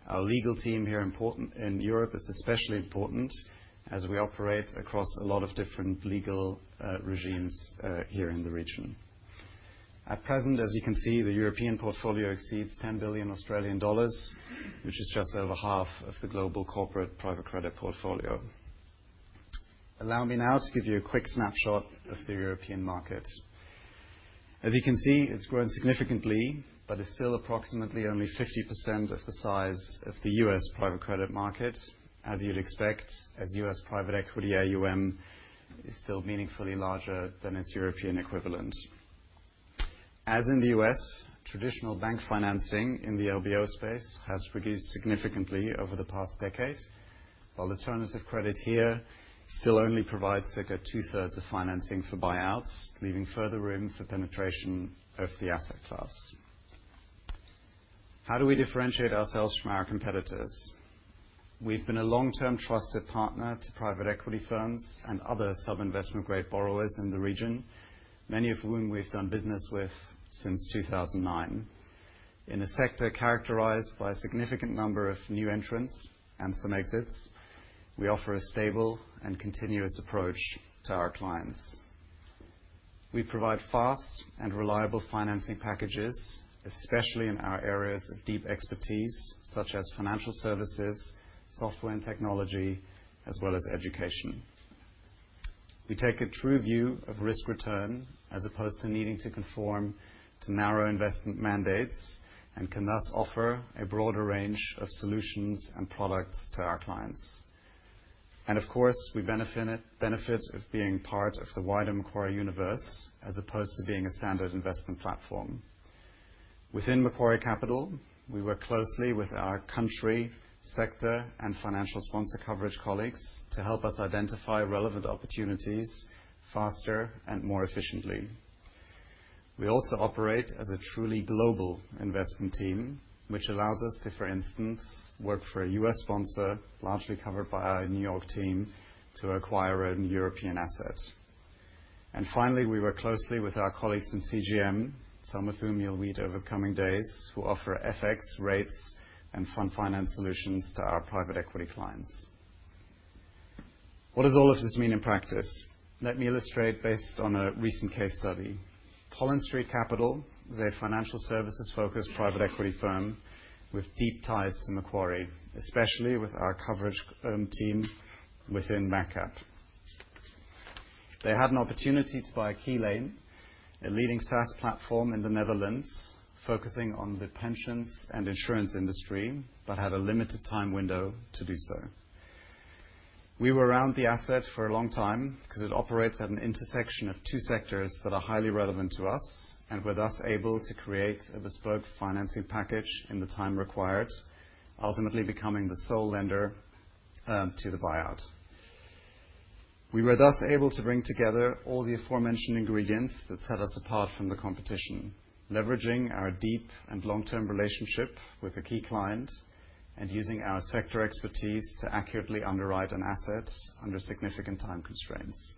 Our legal team here in Europe is especially important as we operate across a lot of different legal regimes here in the region. At present, as you can see, the European portfolio exceeds 10 billion Australian dollars, which is just over half of the global corporate private credit portfolio. Allow me now to give you a quick snapshot of the European market. As you can see, it's grown significantly, but it's still approximately only 50% of the size of the US private credit market, as you'd expect, as US private equity AUM is still meaningfully larger than its European equivalent. As in the U.S., traditional bank financing in the LBO space has reduced significantly over the past decade, while alternative credit here still only provides circa two-thirds of financing for buyouts, leaving further room for penetration of the asset class. How do we differentiate ourselves from our competitors? We've been a long-term trusted partner to private equity firms and other sub-investment-grade borrowers in the region, many of whom we've done business with since 2009. In a sector characterized by a significant number of new entrants and some exits, we offer a stable and continuous approach to our clients. We provide fast and reliable financing packages, especially in our areas of deep expertise, such as financial services, software and technology, as well as education. We take a true view of risk-return as opposed to needing to conform to narrow investment mandates and can thus offer a broader range of solutions and products to our clients. Of course, we benefit from being part of the wider Macquarie universe as opposed to being a standard investment platform. Within Macquarie Capital, we work closely with our country, sector, and financial sponsor coverage colleagues to help us identify relevant opportunities faster and more efficiently. We also operate as a truly global investment team, which allows us to, for instance, work for a US sponsor, largely covered by our New York team, to acquire a European asset. Finally, we work closely with our colleagues in CGM, some of whom you'll meet over the coming days, who offer FX, rates, and fund finance solutions to our private equity clients. What does all of this mean in practice? Let me illustrate based on a recent case study. Pollen Street Capital is a financial services-focused private equity firm with deep ties to Macquarie, especially with our coverage team within Macquarie Capital. They had an opportunity to buy Keylane, a leading SaaS platform in the Netherlands focusing on the pensions and insurance industry, but had a limited time window to do so. We were around the asset for a long time because it operates at an intersection of two sectors that are highly relevant to us and were thus able to create a bespoke financing package in the time required, ultimately becoming the sole lender to the buyout. We were thus able to bring together all the aforementioned ingredients that set us apart from the competition, leveraging our deep and long-term relationship with a key client and using our sector expertise to accurately underwrite an asset under significant time constraints.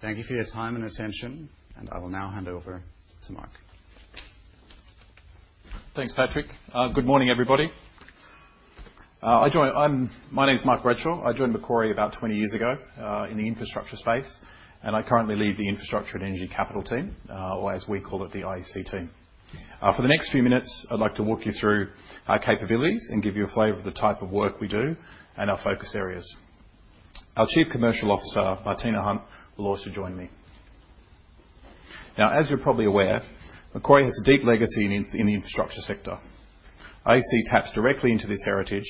Thank you for your time and attention, and I will now hand over to Mark. Thanks, Patrick. Good morning, everybody. My name's Mark Redshaw. I joined Macquarie about 20 years ago in the infrastructure space, and I currently lead the Infrastructure and Energy Capital team, or as we call it, the IEC team. For the next few minutes, I'd like to walk you through our capabilities and give you a flavor of the type of work we do and our focus areas. Our Chief Commercial Officer, Martina Hunt, will also join me. Now, as you're probably aware, Macquarie has a deep legacy in the infrastructure sector. IEC taps directly into this heritage,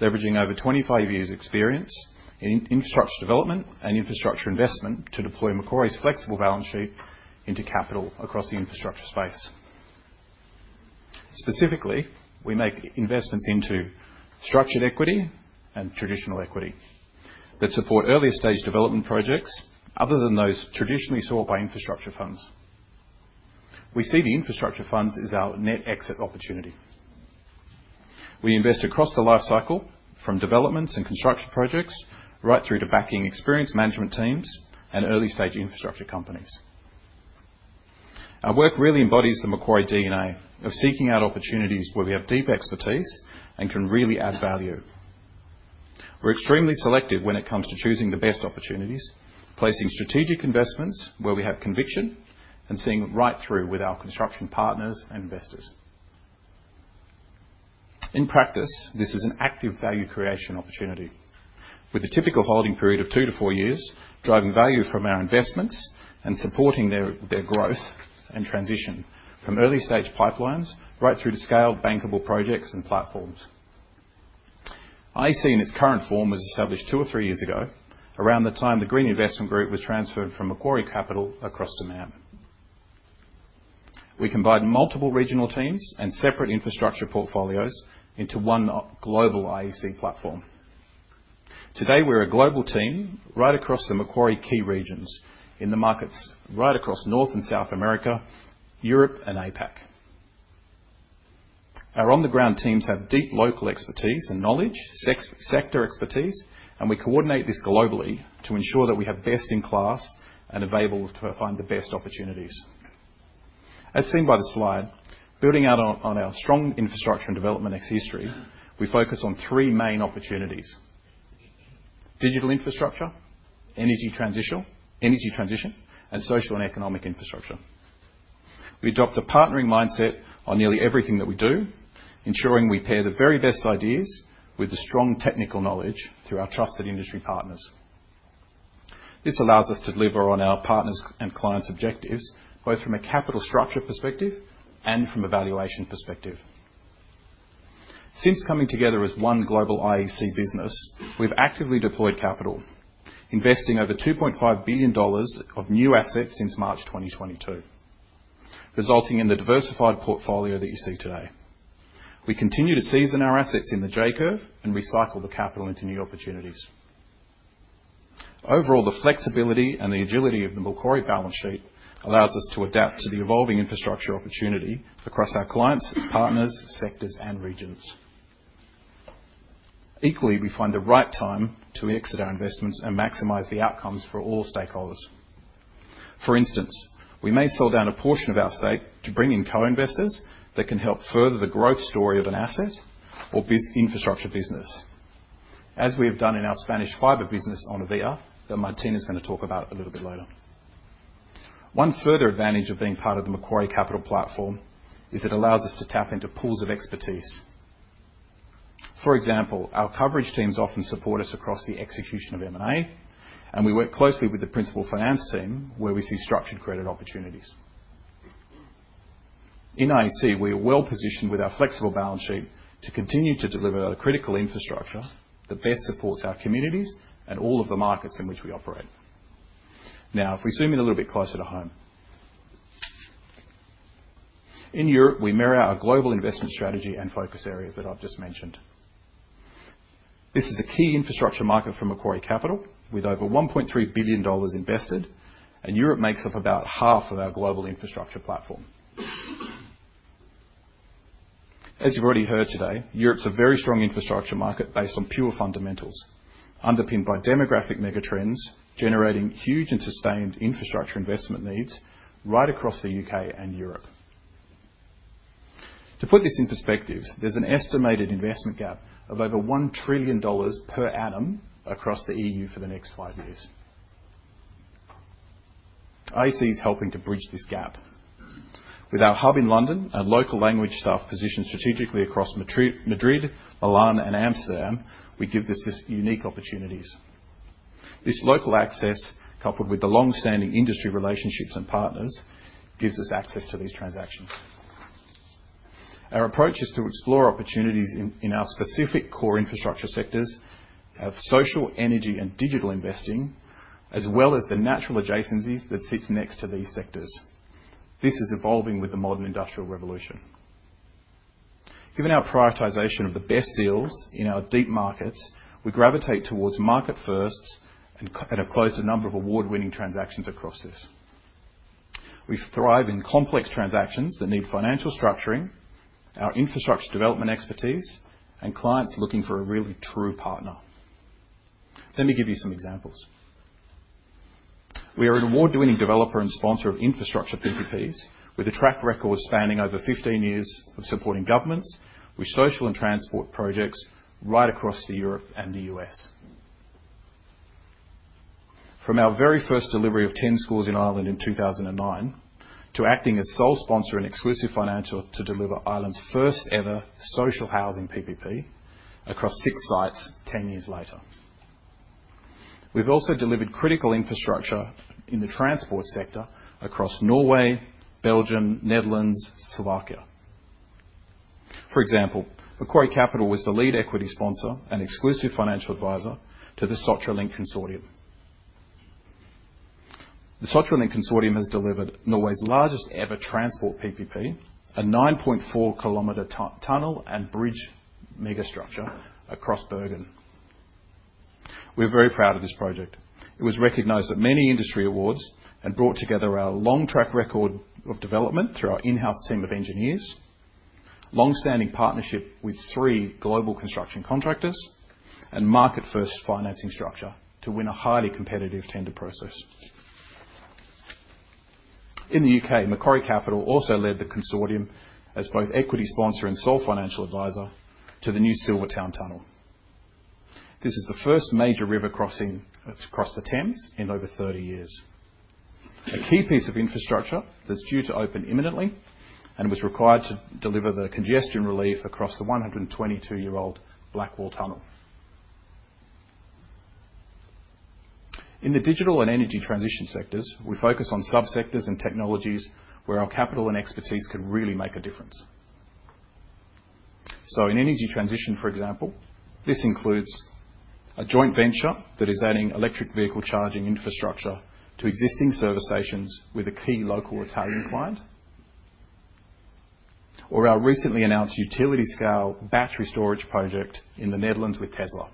leveraging over 25 years' experience in infrastructure development and infrastructure investment to deploy Macquarie's flexible balance sheet into capital across the infrastructure space. Specifically, we make investments into structured equity and traditional equity that support earlier-stage development projects other than those traditionally sought by infrastructure funds. We see the infrastructure funds as our net exit opportunity. We invest across the life cycle from developments and construction projects right through to backing experienced management teams and early-stage infrastructure companies. Our work really embodies the Macquarie DNA of seeking out opportunities where we have deep expertise and can really add value. We're extremely selective when it comes to choosing the best opportunities, placing strategic investments where we have conviction, and seeing right through with our construction partners and investors. In practice, this is an active value creation opportunity, with a typical holding period of two to four years, driving value from our investments and supporting their growth and transition from early-stage pipelines right through to scaled bankable projects and platforms. IEC, in its current form, was established two or three years ago, around the time the Green Investment Group was transferred from Macquarie Capital across to MAM. We combine multiple regional teams and separate infrastructure portfolios into one global IEC platform. Today, we're a global team right across the Macquarie key regions in the markets right across North and South America, Europe, and APAC. Our on-the-ground teams have deep local expertise and knowledge, sector expertise, and we coordinate this globally to ensure that we have best-in-class and are able to find the best opportunities. As seen by the slide, building out on our strong infrastructure and development history, we focus on three main opportunities: digital infrastructure, energy transition, and social and economic infrastructure. We adopt a partnering mindset on nearly everything that we do, ensuring we pair the very best ideas with the strong technical knowledge through our trusted industry partners. This allows us to deliver on our partners' and clients' objectives, both from a capital structure perspective and from a valuation perspective. Since coming together as one global IEC business, we've actively deployed capital, investing over $2.5 billion of new assets since March 2022, resulting in the diversified portfolio that you see today. We continue to season our assets in the J curve and recycle the capital into new opportunities. Overall, the flexibility and the agility of the Macquarie balance sheet allows us to adapt to the evolving infrastructure opportunity across our clients, partners, sectors, and regions. Equally, we find the right time to exit our investments and maximize the outcomes for all stakeholders. For instance, we may sell down a portion of our stake to bring in co-investors that can help further the growth story of an asset or infrastructure business, as we have done in our Spanish fiber business, Onivia, that Martina is going to talk about a little bit later. One further advantage of being part of the Macquarie Capital platform is it allows us to tap into pools of expertise. For example, our coverage teams often support us across the execution of M&A, and we work closely with the principal finance team where we see structured credit opportunities. In IEC, we are well positioned with our flexible balance sheet to continue to deliver the critical infrastructure that best supports our communities and all of the markets in which we operate. Now, if we zoom in a little bit closer to home. In Europe, we mirror our global investment strategy and focus areas that I've just mentioned. This is a key infrastructure market for Macquarie Capital, with over $1.3 billion invested, and Europe makes up about half of our global infrastructure platform. As you've already heard today, Europe's a very strong infrastructure market based on pure fundamentals, underpinned by demographic megatrends, generating huge and sustained infrastructure investment needs right across the U.K. and Europe. To put this in perspective, there's an estimated investment gap of over $1 trillion per annum across the EU for the next five years. IEC is helping to bridge this gap. With our hub in London and local language staff positioned strategically across Madrid, Milan, and Amsterdam, we give this unique opportunities. This local access, coupled with the long-standing industry relationships and partners, gives us access to these transactions. Our approach is to explore opportunities in our specific core infrastructure sectors of social, energy, and digital investing, as well as the natural adjacencies that sit next to these sectors. This is evolving with the modern industrial revolution. Given our prioritization of the best deals in our deep markets, we gravitate towards market firsts and have closed a number of award-winning transactions across this. We thrive in complex transactions that need financial structuring, our infrastructure development expertise, and clients looking for a really true partner. Let me give you some examples. We are an award-winning developer and sponsor of infrastructure PPPs, with a track record spanning over 15 years of supporting governments with social and transport projects right across Europe and the US. From our very first delivery of 10 schools in Ireland in 2009 to acting as sole sponsor and exclusive financial to deliver Ireland's first-ever social housing PPP across six sites 10 years later. We've also delivered critical infrastructure in the transport sector across Norway, Belgium, Netherlands, Slovakia. For example, Macquarie Capital was the lead equity sponsor and exclusive financial advisor to the Sotra Link Consortium. The Sotra Link Consortium, has delivered Norway's largest-ever transport PPP, a 9.4 km tunnel and bridge megastructure across Bergen. We're very proud of this project. It was recognized at many industry awards and brought together our long track record of development through our in-house team of engineers, long-standing partnership with three global construction contractors, and market-first financing structure to win a highly competitive tender process. In the U.K., Macquarie Capital also led the consortium as both equity sponsor and sole financial advisor to the new Silvertown Tunnel. This is the first major river crossing across the Thames in over 30 years, a key piece of infrastructure that's due to open imminently and was required to deliver the congestion relief across the 122-year-old Blackwall Tunnel. In the digital and energy transition sectors, we focus on subsectors and technologies where our capital and expertise could really make a difference. In energy transition, for example, this includes a joint venture that is adding electric vehicle charging infrastructure to existing service stations with a key local Italian client, or our recently announced utility-scale battery storage project in the Netherlands with Tesla,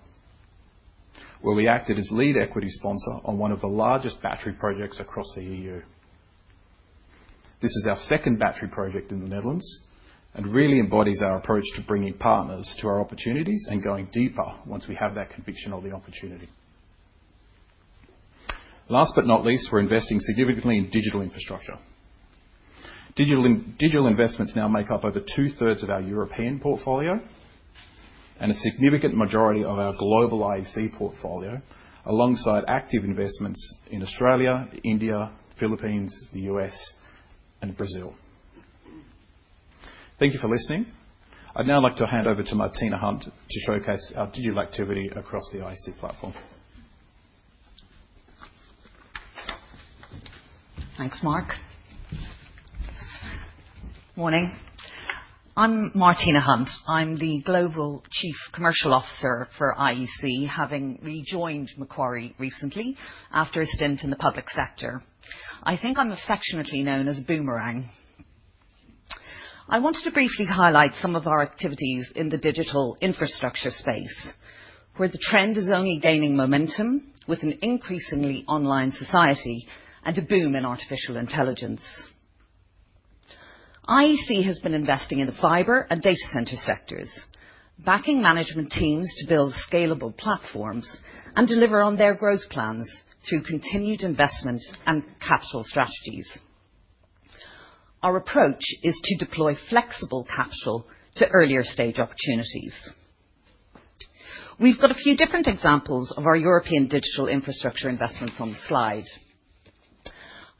where we acted as lead equity sponsor on one of the largest battery projects across the EU. This is our second battery project in the Netherlands and really embodies our approach to bringing partners to our opportunities and going deeper once we have that conviction or the opportunity. Last but not least, we're investing significantly in digital infrastructure. Digital investments now make up over two-thirds of our European portfolio and a significant majority of our global IEC portfolio, alongside active investments in Australia, India, the Philippines, the US, and Brazil. Thank you for listening. I'd now like to hand over to Martina Hunt to showcase our digital activity across the IEC platform. Thanks, Mark. Morning. I'm Martina Hunt. I'm the Global Chief Commercial Officer for IEC, having rejoined Macquarie recently after a stint in the public sector. I think I'm affectionately known as Boomerang. I wanted to briefly highlight some of our activities in the digital infrastructure space, where the trend is only gaining momentum with an increasingly online society and a boom in artificial intelligence. IEC has been investing in the fiber and data center sectors, backing management teams to build scalable platforms and deliver on their growth plans through continued investment and capital strategies. Our approach is to deploy flexible capital to earlier-stage opportunities. We've got a few different examples of our European digital infrastructure investments on the slide.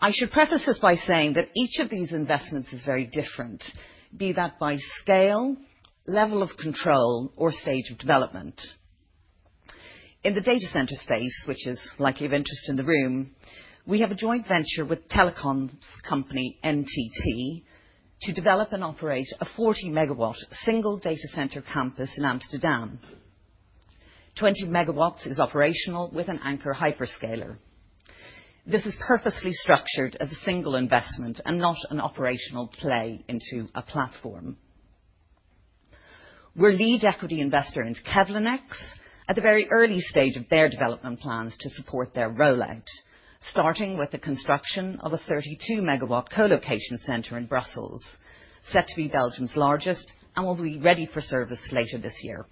I should preface this by saying that each of these investments is very different, be that by scale, level of control, or stage of development. In the data center space, which is likely of interest in the room, we have a joint venture with telecoms company NTT to develop and operate a 40-megawatt single data center campus in Amsterdam. Twenty megawatts is operational with an Anker hyperscaler. This is purposely structured as a single investment and not an operational play into a platform. We're lead equity investor into KevlenEx, at the very early stage of their development plans to support their rollout, starting with the construction of a 32-megawatt co-location center in Brussels, set to be Belgium's largest and will be ready for service later this year.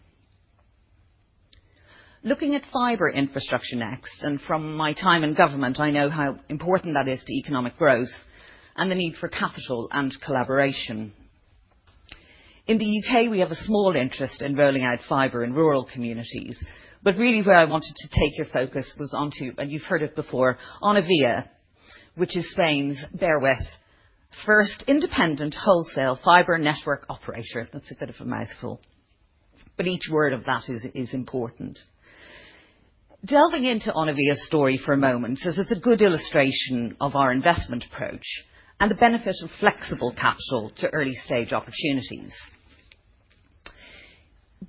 Looking at fiber infrastructure next, and from my time in government, I know how important that is to economic growth and the need for capital and collaboration. In the U.K., we have a small interest in rolling out fiber in rural communities, but really where I wanted to take your focus was onto, and you've heard it before, Onivia, which is Spain's bare west, first independent wholesale fiber network operator. That's a bit of a mouthful, but each word of that is important. Delving into Onivia's story for a moment as it's a good illustration of our investment approach and the benefit of flexible capital to early-stage opportunities.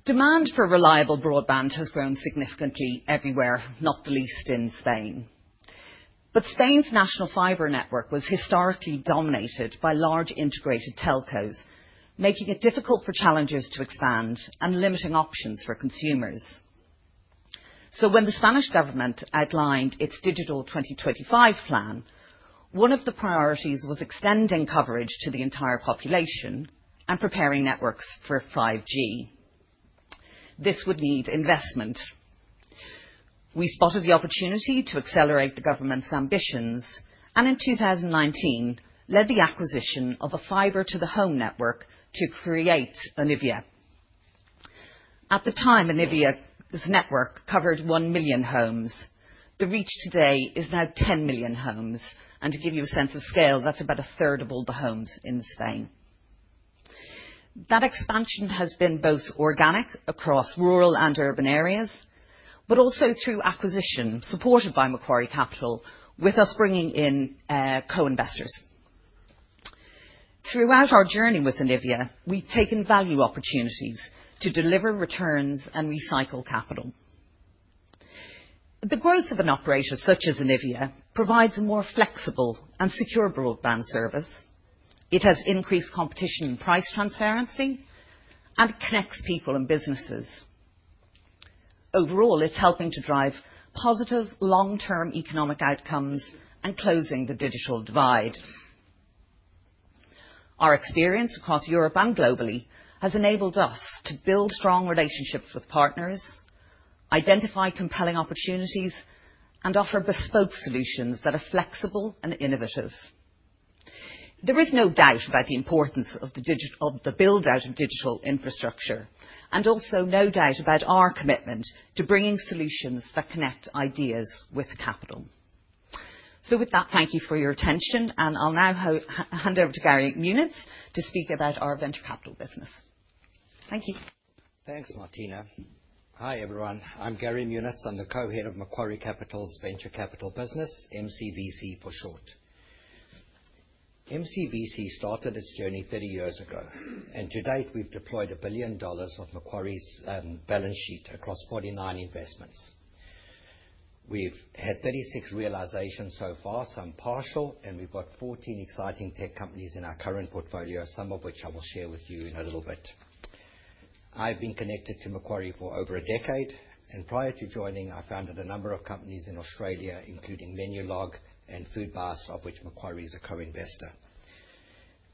Demand for reliable broadband has grown significantly everywhere, not the least in Spain. Spain's national fiber network was historically dominated by large integrated telcos, making it difficult for challengers to expand and limiting options for consumers. When the Spanish government outlined its Digital 2025 plan, one of the priorities was extending coverage to the entire population and preparing networks for 5G. This would need investment. We spotted the opportunity to accelerate the government's ambitions and in 2019 led the acquisition of a fiber-to-the-home network to create Onivia. At the time, Onivia's network covered 1 million homes. The reach today is now 10 million homes, and to give you a sense of scale, that's about a third of all the homes in Spain. That expansion has been both organic across rural and urban areas, but also through acquisition supported by Macquarie Capital, with us bringing in co-investors. Throughout our journey with Onivia, we've taken value opportunities to deliver returns and recycle capital. The growth of an operator such as Onivia provides a more flexible and secure broadband service. It has increased competition and price transparency, and it connects people and businesses. Overall, it's helping to drive positive long-term economic outcomes and closing the digital divide. Our experience across Europe and globally has enabled us to build strong relationships with partners, identify compelling opportunities, and offer bespoke solutions that are flexible and innovative. There is no doubt about the importance of the build-out of digital infrastructure, and also no doubt about our commitment to bringing solutions that connect ideas with capital. With that, thank you for your attention, and I'll now hand over to Gary Munitz, to speak about our venture capital business. Thank you. Thanks, Martina. Hi, everyone. I'm Gary Munitz. I'm the co-head of Macquarie Capital's venture capital business, MCVC for short. MCVC started its journey 30 years ago, and to date, we've deployed $1 billion of Macquarie's balance sheet across 49 investments. We've had 36 realizations so far, some partial, and we've got 14 exciting tech companies in our current portfolio, some of which I will share with you in a little bit. I've been connected to Macquarie for over a decade, and prior to joining, I founded a number of companies in Australia, including Menulog and FoodBuste, of which Macquarie is a co-investor.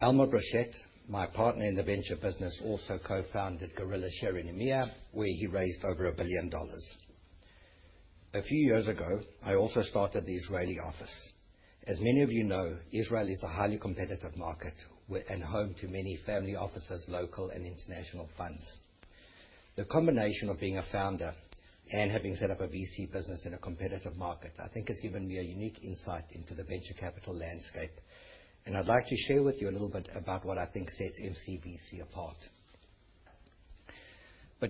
Elmer Brochette, my partner in the venture business, also co-founded Guerrilla Sherry Nemia, where he raised over $1 billion. A few years ago, I also started the Israeli office. As many of you know, Israel is a highly competitive market and home to many family offices, local and international funds. The combination of being a founder and having set up a VC business in a competitive market, I think, has given me a unique insight into the venture capital landscape, and I'd like to share with you a little bit about what I think sets MCVC apart.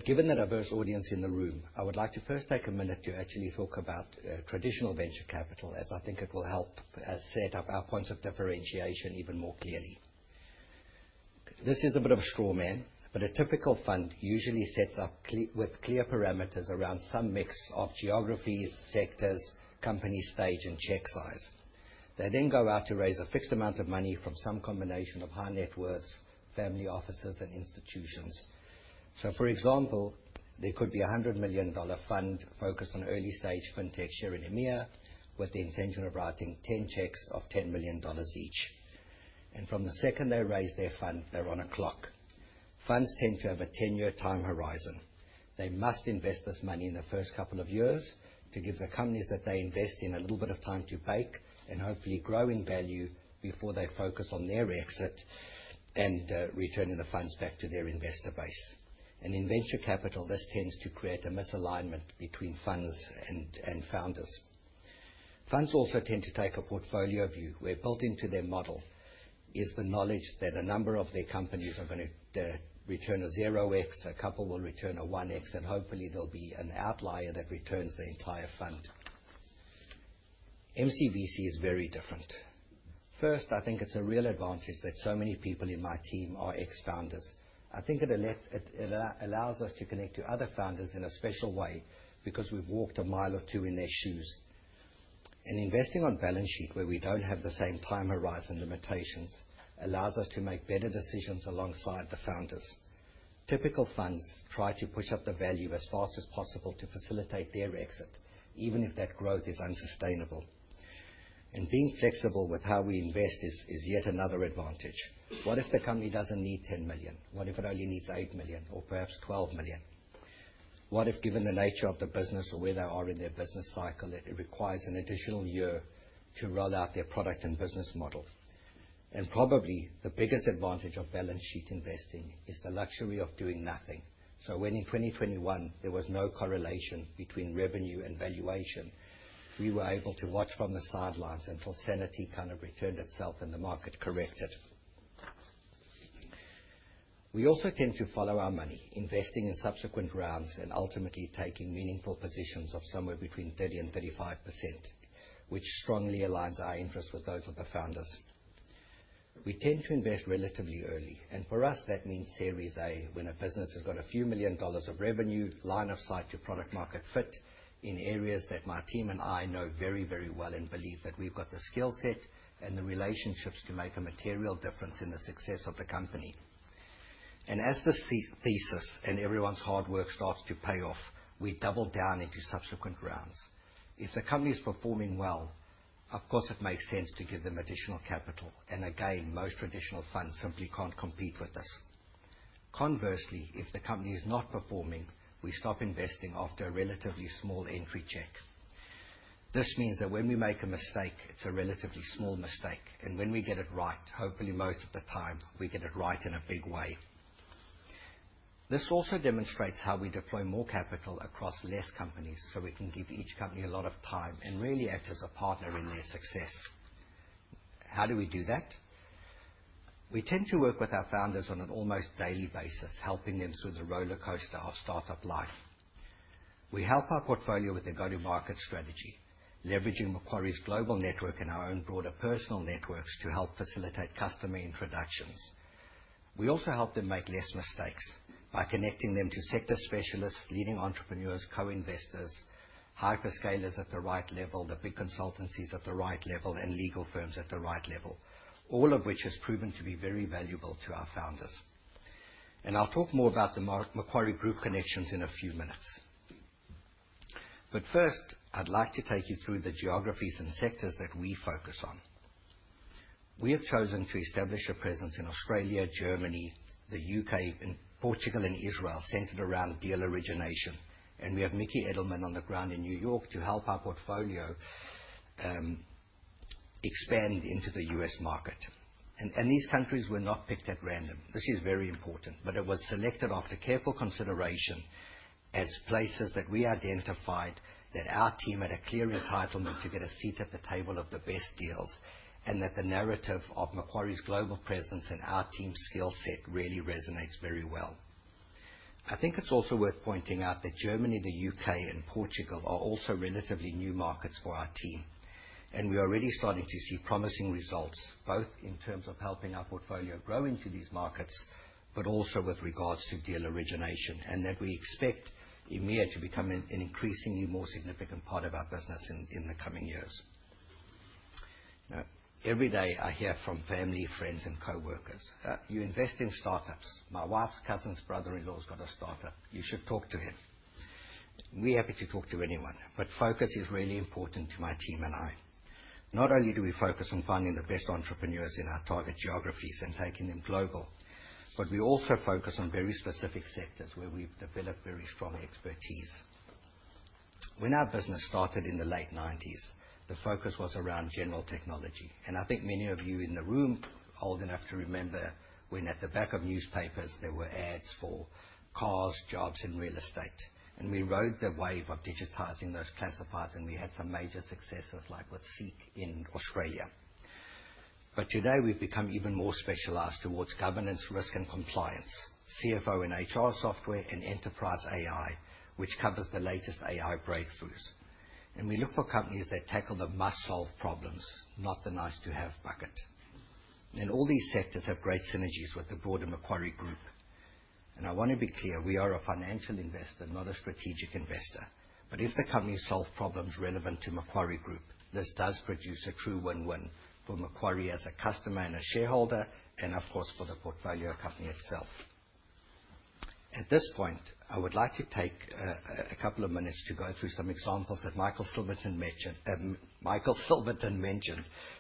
Given the diverse audience in the room, I would like to first take a minute to actually talk about traditional venture capital, as I think it will help set up our points of differentiation even more clearly. This is a bit of a straw man, but a typical fund usually sets up with clear parameters around some mix of geographies, sectors, company stage, and check size. They then go out to raise a fixed amount of money from some combination of high net worths, family offices, and institutions. For example, there could be a $100 million fund focused on early-stage fintech Sherry Nemia, with the intention of writing 10 checks of $10 million each. From the second they raise their fund, they're on a clock. Funds tend to have a 10-year time horizon. They must invest this money in the first couple of years to give the companies that they invest in a little bit of time to bake and hopefully grow in value before they focus on their exit and returning the funds back to their investor base. In venture capital, this tends to create a misalignment between funds and founders. Funds also tend to take a portfolio view, where built into their model is the knowledge that a number of their companies are going to return a 0x, a couple will return a 1x, and hopefully there'll be an outlier that returns the entire fund. MCVC is very different. First, I think it's a real advantage that so many people in my team are ex-founders. I think it allows us to connect to other founders in a special way because we've walked a mile or two in their shoes. Investing on balance sheet, where we don't have the same time horizon limitations, allows us to make better decisions alongside the founders. Typical funds try to push up the value as fast as possible to facilitate their exit, even if that growth is unsustainable. Being flexible with how we invest is yet another advantage. What if the company doesn't need $10 million? What if it only needs $8 million or perhaps $12 million? What if, given the nature of the business or where they are in their business cycle, it requires an additional year to roll out their product and business model? Probably the biggest advantage of balance sheet investing is the luxury of doing nothing. When in 2021 there was no correlation between revenue and valuation, we were able to watch from the sidelines until sanity kind of returned itself and the market corrected. We also tend to follow our money, investing in subsequent rounds and ultimately taking meaningful positions of somewhere between 30-35%, which strongly aligns our interest with those of the founders. We tend to invest relatively early, and for us, that means Series A when a business has got a few million dollars of revenue, line of sight to product-market fit in areas that my team and I know very, very well and believe that we've got the skill set and the relationships to make a material difference in the success of the company. As this thesis and everyone's hard work starts to pay off, we double down into subsequent rounds. If the company is performing well, of course it makes sense to give them additional capital, and again, most traditional funds simply can't compete with this. Conversely, if the company is not performing, we stop investing after a relatively small entry check. This means that when we make a mistake, it's a relatively small mistake, and when we get it right, hopefully most of the time we get it right in a big way. This also demonstrates how we deploy more capital across less companies so we can give each company a lot of time and really act as a partner in their success. How do we do that? We tend to work with our founders on an almost daily basis, helping them through the roller coaster of startup life. We help our portfolio with a go-to-market strategy, leveraging Macquarie's global network and our own broader personal networks to help facilitate customer introductions. We also help them make less mistakes by connecting them to sector specialists, leading entrepreneurs, co-investors, hyperscalers at the right level, the big consultancies at the right level, and legal firms at the right level, all of which has proven to be very valuable to our founders. I will talk more about the Macquarie Group connections in a few minutes. First, I would like to take you through the geographies and sectors that we focus on. We have chosen to establish a presence in Australia, Germany, the U.K., Portugal, and Israel centered around deal origination, and we have Mickey Edelman on the ground in New York to help our portfolio expand into the U.S. market. These countries were not picked at random. This is very important, but it was selected after careful consideration as places that we identified that our team had a clear entitlement to get a seat at the table of the best deals and that the narrative of Macquarie's global presence and our team's skill set really resonates very well. I think it's also worth pointing out that Germany, the U.K., and Portugal are also relatively new markets for our team, and we are already starting to see promising results both in terms of helping our portfolio grow into these markets, but also with regards to deal origination, and that we expect EMEA to become an increasingly more significant part of our business in the coming years. Every day I hear from family, friends, and co-workers, "You invest in startups. My wife's cousin's brother-in-law's got a startup. You should talk to him. We're happy to talk to anyone, but focus is really important to my team and I. Not only do we focus on finding the best entrepreneurs in our target geographies and taking them global, but we also focus on very specific sectors where we've developed very strong expertise. When our business started in the late 1990s, the focus was around general technology, and I think many of you in the room are old enough to remember when at the back of newspapers there were ads for cars, jobs, and real estate, and we rode the wave of digitizing those classifiers, and we had some major successes like with SEEK in Australia. Today we've become even more specialized towards governance, risk, and compliance, CFO and HR software, and enterprise AI, which covers the latest AI breakthroughs. We look for companies that tackle the must-solve problems, not the nice-to-have bucket. All these sectors have great synergies with the broader Macquarie Group, and I want to be clear, we are a financial investor, not a strategic investor, but if the company solves problems relevant to Macquarie Group, this does produce a true win-win for Macquarie as a customer and a shareholder and, of course, for the portfolio company itself. At this point, I would like to take a couple of minutes to go through some examples that Michael Silverton mentioned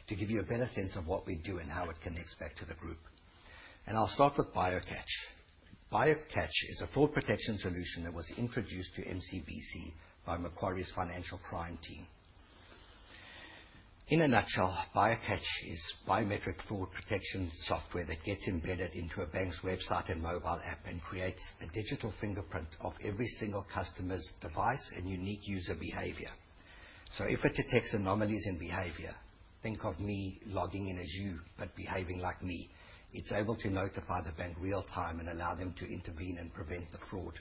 to give you a better sense of what we do and how it connects back to the group. I'll start with BioCatch. BioCatch, is a fraud protection solution that was introduced to MCVC by Macquarie's financial crime team. In a nutshell, BioCatch, is biometric fraud protection software that gets embedded into a bank's website and mobile app and creates a digital fingerprint of every single customer's device and unique user behavior. If it detects anomalies in behavior, think of me logging in as you but behaving like me, it's able to notify the bank real-time and allow them to intervene and prevent the fraud.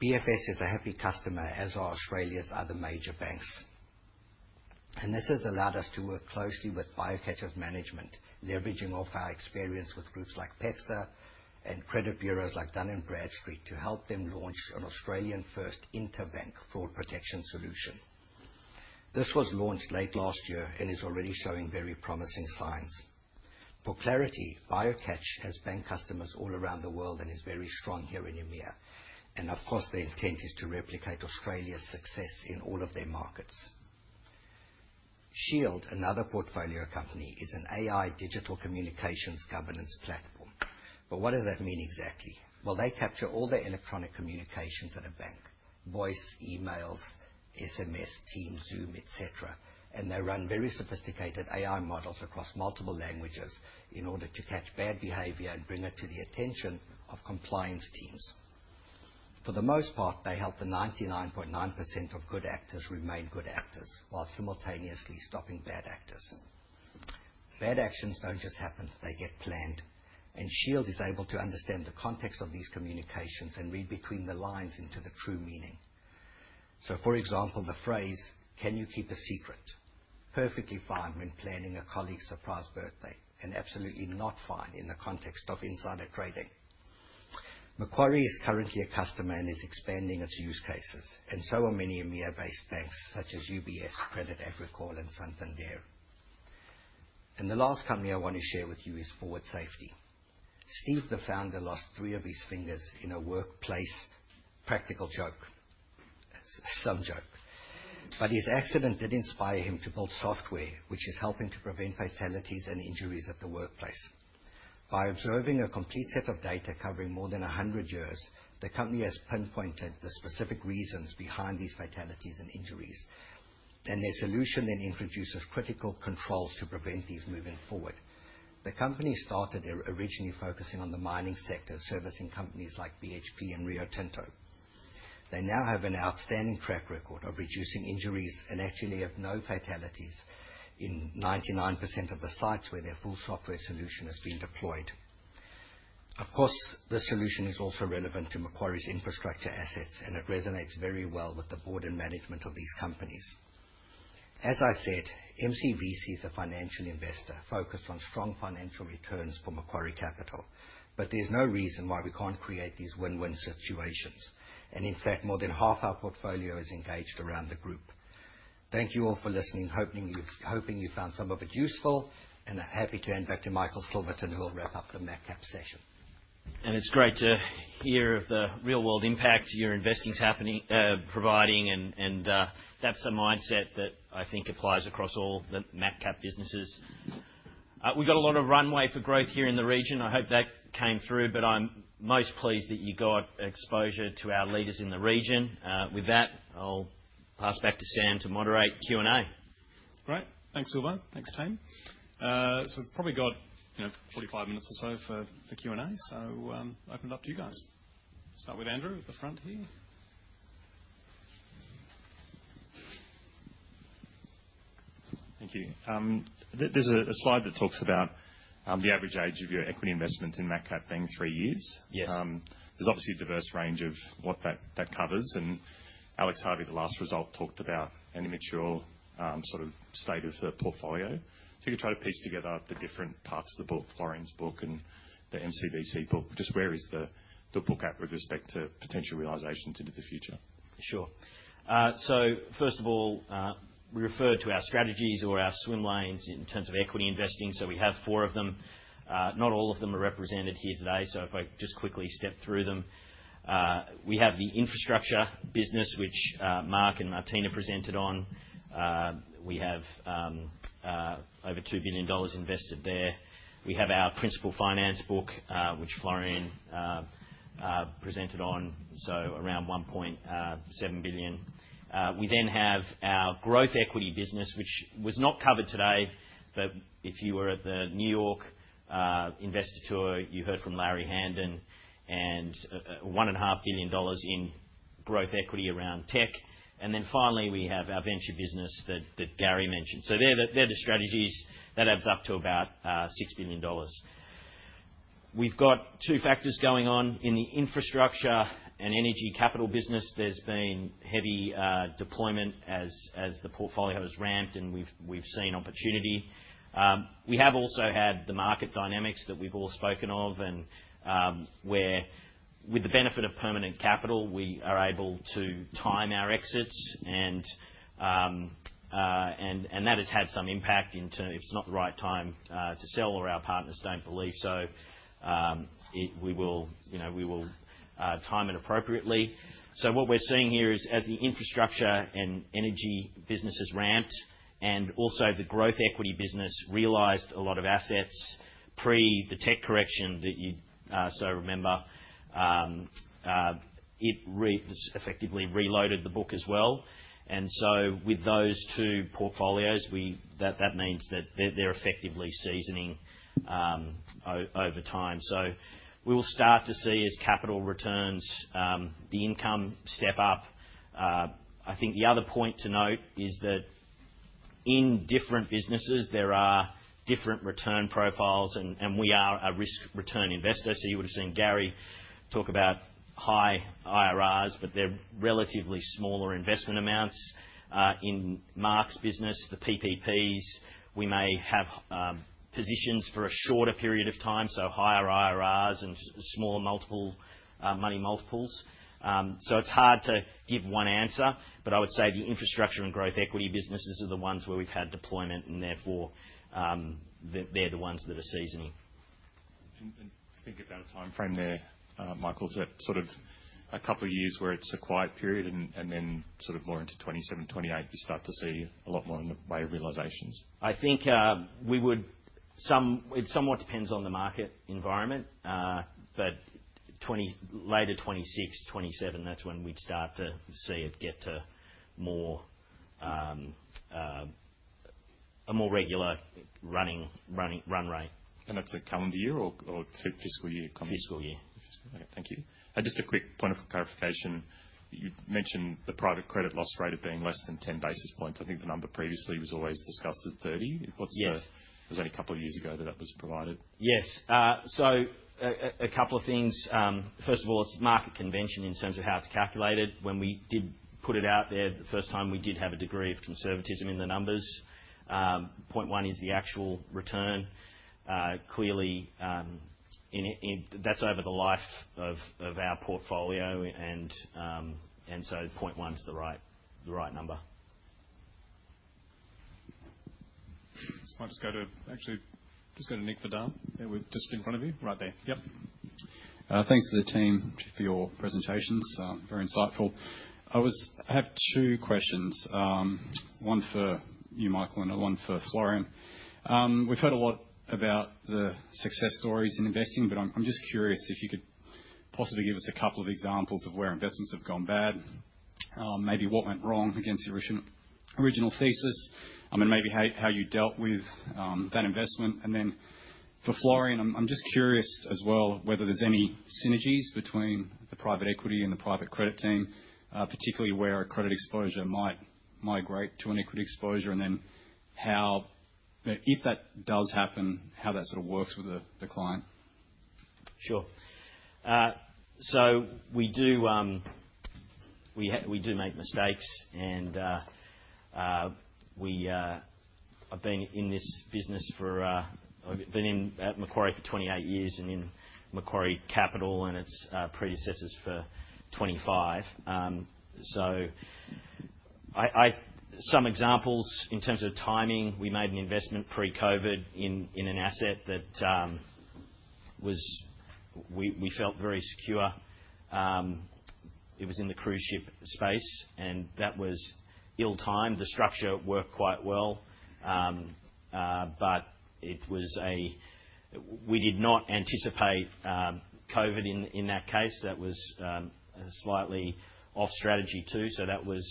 BFS is a happy customer, as are Australia's other major banks. This has allowed us to work closely with BioCatch's management, leveraging off our experience with groups like PEXA and credit bureaus like Dun & Bradstreet to help them launch an Australian-first interbank fraud protection solution. This was launched late last year and is already showing very promising signs. For clarity, BioCatch, has bank customers all around the world and is very strong here in EMEA, and of course, their intent is to replicate Australia's success in all of their markets. Shield, another portfolio company, is an AI digital communications governance platform. What does that mean exactly? They capture all the electronic communications at a bank: voice, emails, SMS, Teams, Zoom, etc., and they run very sophisticated AI models across multiple languages in order to catch bad behavior and bring it to the attention of compliance teams. For the most part, they help the 99.9% of good actors remain good actors while simultaneously stopping bad actors. Bad actions do not just happen; they get planned, and Shield is able to understand the context of these communications and read between the lines into the true meaning. For example, the phrase, "Can you keep a secret?" is perfectly fine when planning a colleague's surprise birthday and absolutely not fine in the context of insider trading. Macquarie is currently a customer and is expanding its use cases, and so are many EMEA-based banks such as UBS, Credit Agricole, and Santander. The last company I want to share with you is Forward Safety. Steve, the founder, lost three of his fingers in a workplace practical joke, some joke, but his accident did inspire him to build software, which is helping to prevent fatalities and injuries at the workplace. By observing a complete set of data covering more than 100 years, the company has pinpointed the specific reasons behind these fatalities and injuries, and their solution then introduces critical controls to prevent these moving forward. The company started originally focusing on the mining sector, servicing companies like BHP and Rio Tinto. They now have an outstanding track record of reducing injuries and actually have no fatalities in 99% of the sites where their full software solution has been deployed. Of course, this solution is also relevant to Macquarie's infrastructure assets, and it resonates very well with the board and management of these companies. As I said, MCVC is a financial investor focused on strong financial returns for Macquarie Capital, but there's no reason why we can't create these win-win situations, and in fact, more than half our portfolio is engaged around the group. Thank you all for listening. Hoping you found some of it useful, and happy to hand back to Michael Silverton, who will wrap up the MATCAP session. It's great to hear of the real-world impact your investing's providing, and that's a mindset that I think applies across all the MATCAP businesses. We've got a lot of runway for growth here in the region. I hope that came through, but I'm most pleased that you got exposure to our leaders in the region. With that, I'll pass back to Sam to moderate Q&A. Great. Thanks, Silver. Thanks, Tim. We've probably got 45 minutes or so for Q&A, so I'll open it up to you guys. Start with Andrew at the front here. Thank you. There's a slide that talks about the average age of your equity investments in MATCAP being three years. There's obviously a diverse range of what that covers, and Alex Harvey, the last result, talked about an immature sort of state of the portfolio. If you could try to piece together the different parts of the book, Lauren's book and the MCVC book, just where is the book app with respect to potential realizations into the future? Sure. First of all, we referred to our strategies or our swim lanes in terms of equity investing, so we have four of them. Not all of them are represented here today, so if I just quickly step through them. We have the infrastructure business, which Mark and Martina presented on. We have over 2 billion dollars invested there. We have our principal finance book, which Florian presented on, so around 1.7 billion. We then have our growth equity business, which was not covered today, but if you were at the New York investor tour, you heard from Larry Handen, and 1.5 billion dollars in growth equity around tech. Finally, we have our venture business that Gary mentioned. They are the strategies. That adds up to about $6 billion. We have two factors going on. In the infrastructure and energy capital business, there has been heavy deployment as the portfolio has ramped, and we have seen opportunity. We have also had the market dynamics that we have all spoken of, and where, with the benefit of permanent capital, we are able to time our exits, and that has had some impact in terms if it is not the right time to sell or our partners do not believe so, we will time it appropriately. What we are seeing here is, as the infrastructure and energy business has ramped and also the growth equity business realized a lot of assets pre the tech correction that you so remember, it effectively reloaded the book as well. With those two portfolios, that means that they're effectively seasoning over time. We will start to see, as capital returns, the income step up. I think the other point to note is that in different businesses, there are different return profiles, and we are a risk-return investor, so you would have seen Gary talk about high IRRs, but they're relatively smaller investment amounts. In Mark's business, the PPPs, we may have positions for a shorter period of time, so higher IRRs and smaller money multiples. It's hard to give one answer, but I would say the infrastructure and growth equity businesses are the ones where we've had deployment, and therefore, they're the ones that are seasoning. Think about a time frame there, Michael, to sort of a couple of years where it's a quiet period and then more into 2027, 2028, you start to see a lot more in the way of realizations? I think it somewhat depends on the market environment, but later 2026, 2027, that's when we'd start to see it get to a more regular running run rate. And that's a calendar year or fiscal year? Fiscal year. Fiscal year. Okay. Thank you. Just a quick point of clarification. You mentioned the private credit loss rate of being less than 10 basis points. I think the number previously was always discussed as 30. It was only a couple of years ago that that was provided. Yes. A couple of things. First of all, it's market convention in terms of how it's calculated. When we did put it out there the first time, we did have a degree of conservatism in the numbers. 0.1 is the actual return. Clearly, that's over the life of our portfolio, and so 0.1 is the right number. I might just go to actually just go to Nick Verdan, there with just in front of you. Right there. Yep. Thanks to the team for your presentations. Very insightful. I have two questions, one for you, Michael, and one for Florian. We've heard a lot about the success stories in investing, but I'm just curious if you could possibly give us a couple of examples of where investments have gone bad, maybe what went wrong against your original thesis, and maybe how you dealt with that investment. For Florian, I'm just curious as well whether there's any synergies between the private equity and the private credit team, particularly where a credit exposure might migrate to an equity exposure, and then if that does happen, how that sort of works with the client. Sure. We do make mistakes, and I've been in this business for I've been at Macquarie for 28 years and in Macquarie Capital and its predecessors for 25. Some examples in terms of timing, we made an investment pre-COVID in an asset that we felt very secure. It was in the cruise ship space, and that was ill-timed. The structure worked quite well, but we did not anticipate COVID in that case. That was a slightly off strategy too, so that was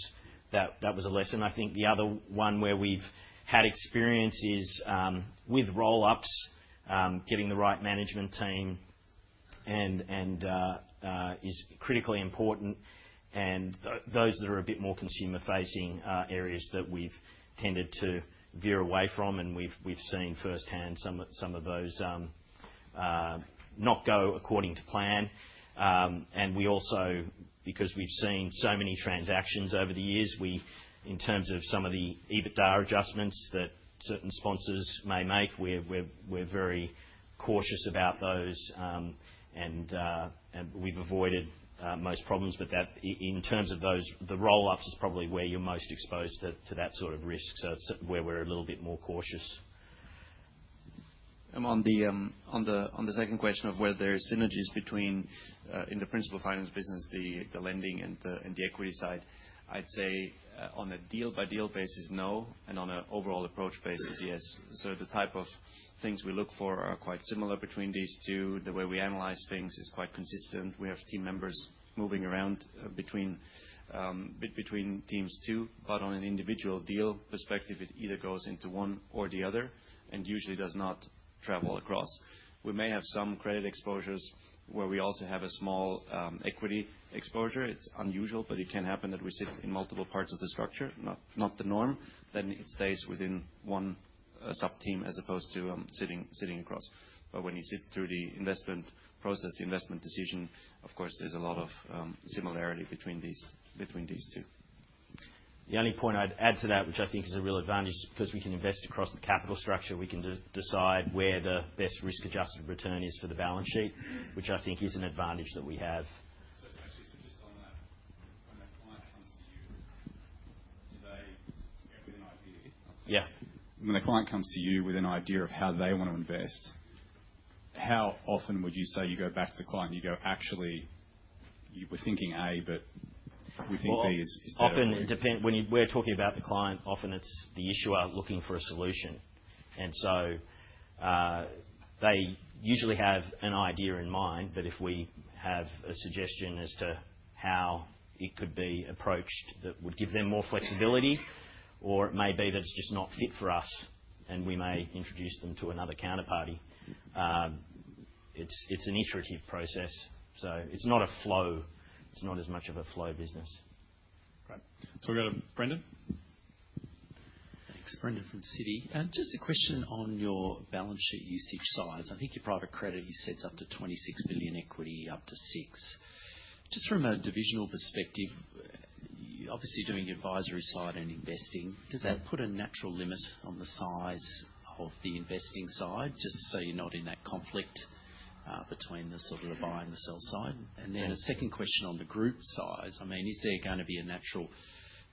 a lesson. I think the other one where we've had experiences with roll-ups, getting the right management team is critically important, and those that are a bit more consumer-facing areas that we've tended to veer away from, and we've seen firsthand some of those not go according to plan. We also, because we've seen so many transactions over the years, in terms of some of the EBITDA adjustments that certain sponsors may make, we're very cautious about those, and we've avoided most problems. In terms of those, the roll-ups is probably where you're most exposed to that sort of risk, so it's where we're a little bit more cautious. On the second question of whether there are synergies between in the principal finance business, the lending and the equity side, I'd say on a deal-by-deal basis, no, and on an overall approach basis, yes. The type of things we look for are quite similar between these two. The way we analyze things is quite consistent. We have team members moving around a bit between teams too, but on an individual deal perspective, it either goes into one or the other and usually does not travel across. We may have some credit exposures where we also have a small equity exposure. It's unusual, but it can happen that we sit in multiple parts of the structure, not the norm. It stays within one sub-team as opposed to sitting across. When you sit through the investment process, the investment decision, of course, there's a lot of similarity between these two. The only point I'd add to that, which I think is a real advantage, because we can invest across the capital structure, we can decide where the best risk-adjusted return is for the balance sheet, which I think is an advantage that we have. It's actually just on that. When the client comes to you, do they get with an idea? Yeah. When the client comes to you with an idea of how they want to invest, how often would you say you go back to the client and you go, "Actually, we're thinking A, but we think B is better"? Often, when we're talking about the client, often it's the issuer looking for a solution. They usually have an idea in mind, but if we have a suggestion as to how it could be approached that would give them more flexibility, or it may be that it's just not fit for us, and we may introduce them to another counterparty. It's an iterative process, so it's not a flow. It's not as much of a flow business. Great. We've got Brendan. Thanks. Brendan from Citi. Just a question on your balance sheet usage size. I think your private credit you said is up to 26 billion equity, up to 6 billion. Just from a divisional perspective, obviously doing advisory side and investing, does that put a natural limit on the size of the investing side, just so you're not in that conflict between the sort of the buy and the sell side? And then a second question on the group size. I mean, is there going to be a natural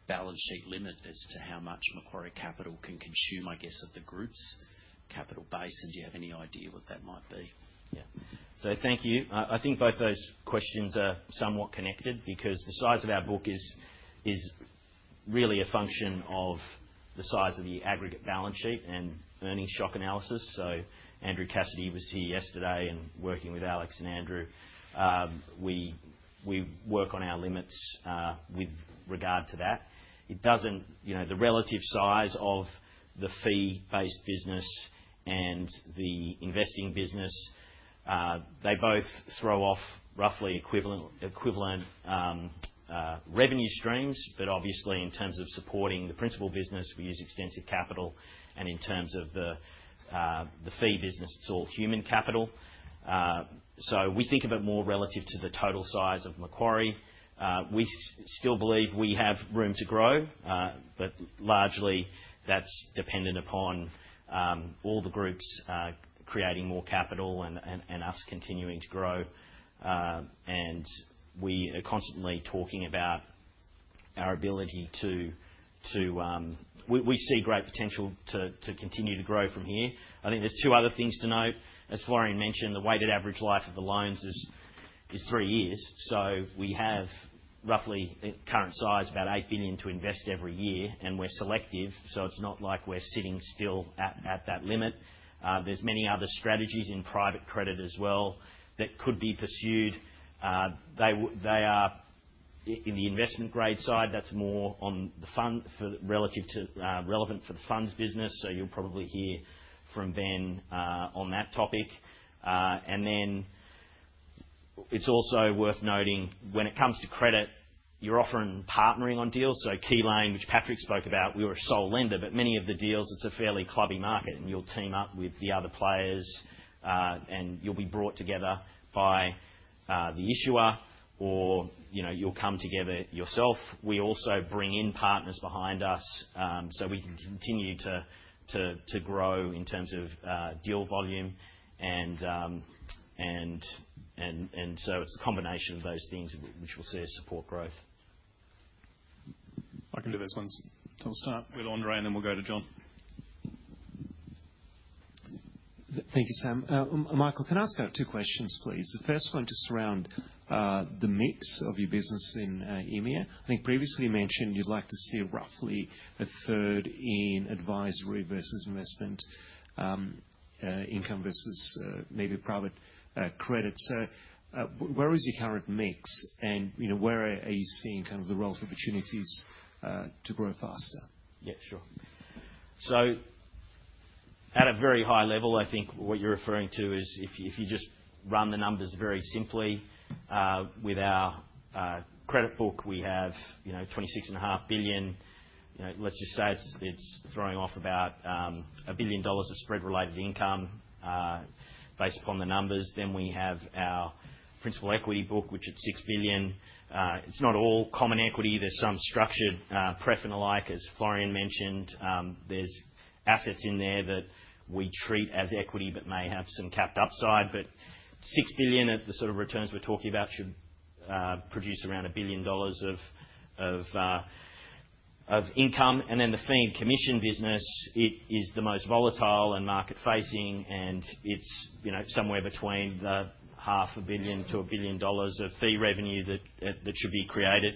balance sheet limit as to how much Macquarie Capital can consume, I guess, of the group's capital base? Do you have any idea what that might be? Yeah. Thank you. I think both those questions are somewhat connected because the size of our book is really a function of the size of the aggregate balance sheet and earnings shock analysis. Andrew Cassidy was here yesterday and working with Alex and Andrew. We work on our limits with regard to that. The relative size of the fee-based business and the investing business, they both throw off roughly equivalent revenue streams, but obviously in terms of supporting the principal business, we use extensive capital, and in terms of the fee business, it's all human capital. We think of it more relative to the total size of Macquarie. We still believe we have room to grow, but largely that's dependent upon all the groups creating more capital and us continuing to grow. We are constantly talking about our ability to—we see great potential to continue to grow from here. I think there's two other things to note. As Florian mentioned, the weighted average life of the loans is three years. We have roughly current size, about 8 billion to invest every year, and we're selective, so it's not like we're sitting still at that limit. There are many other strategies in private credit as well that could be pursued. In the investment-grade side, that's more relevant for the funds business, so you'll probably hear from Ben on that topic. It is also worth noting, when it comes to credit, you're often partnering on deals. Keylane, which Patrick spoke about, we were a sole lender, but many of the deals, it's a fairly clubby market, and you'll team up with the other players, and you'll be brought together by the issuer, or you'll come together yourself. We also bring in partners behind us so we can continue to grow in terms of deal volume. It's a combination of those things which will serve support growth. I can do those ones. We'll start with Andrei, and then we'll go to John. Thank you, Sam. Michael, can I ask two questions, please? The first one just around the mix of your business in EMEA. I think previously you mentioned you'd like to see roughly a third in advisory versus investment income versus maybe private credit. Where is your current mix, and where are you seeing kind of the wealth opportunities to grow faster? Yeah. Sure. At a very high level, I think what you're referring to is if you just run the numbers very simply, with our credit book, we have $26.5 billion. Let's just say it's throwing off about $1 billion of spread-related income based upon the numbers. Then we have our principal equity book, which is $6 billion. It's not all common equity. There's some structured pref and the like, as Florian mentioned. There are assets in there that we treat as equity but may have some capped upside. But $6 billion, the sort of returns we're talking about, should produce around $1 billion of income. The fee and commission business, it is the most volatile and market-facing, and it is somewhere between $500,000,000-$1,000,000,000 of fee revenue that should be created.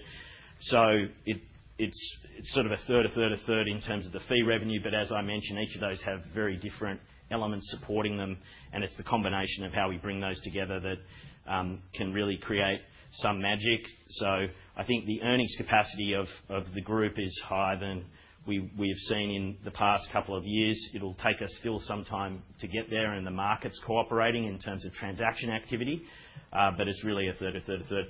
It is sort of a third, a third, a third in terms of the fee revenue, but as I mentioned, each of those have very different elements supporting them, and it is the combination of how we bring those together that can really create some magic. I think the earnings capacity of the group is higher than we have seen in the past couple of years. It will take us still some time to get there and the markets cooperating in terms of transaction activity, but it is really a third, a third, a third.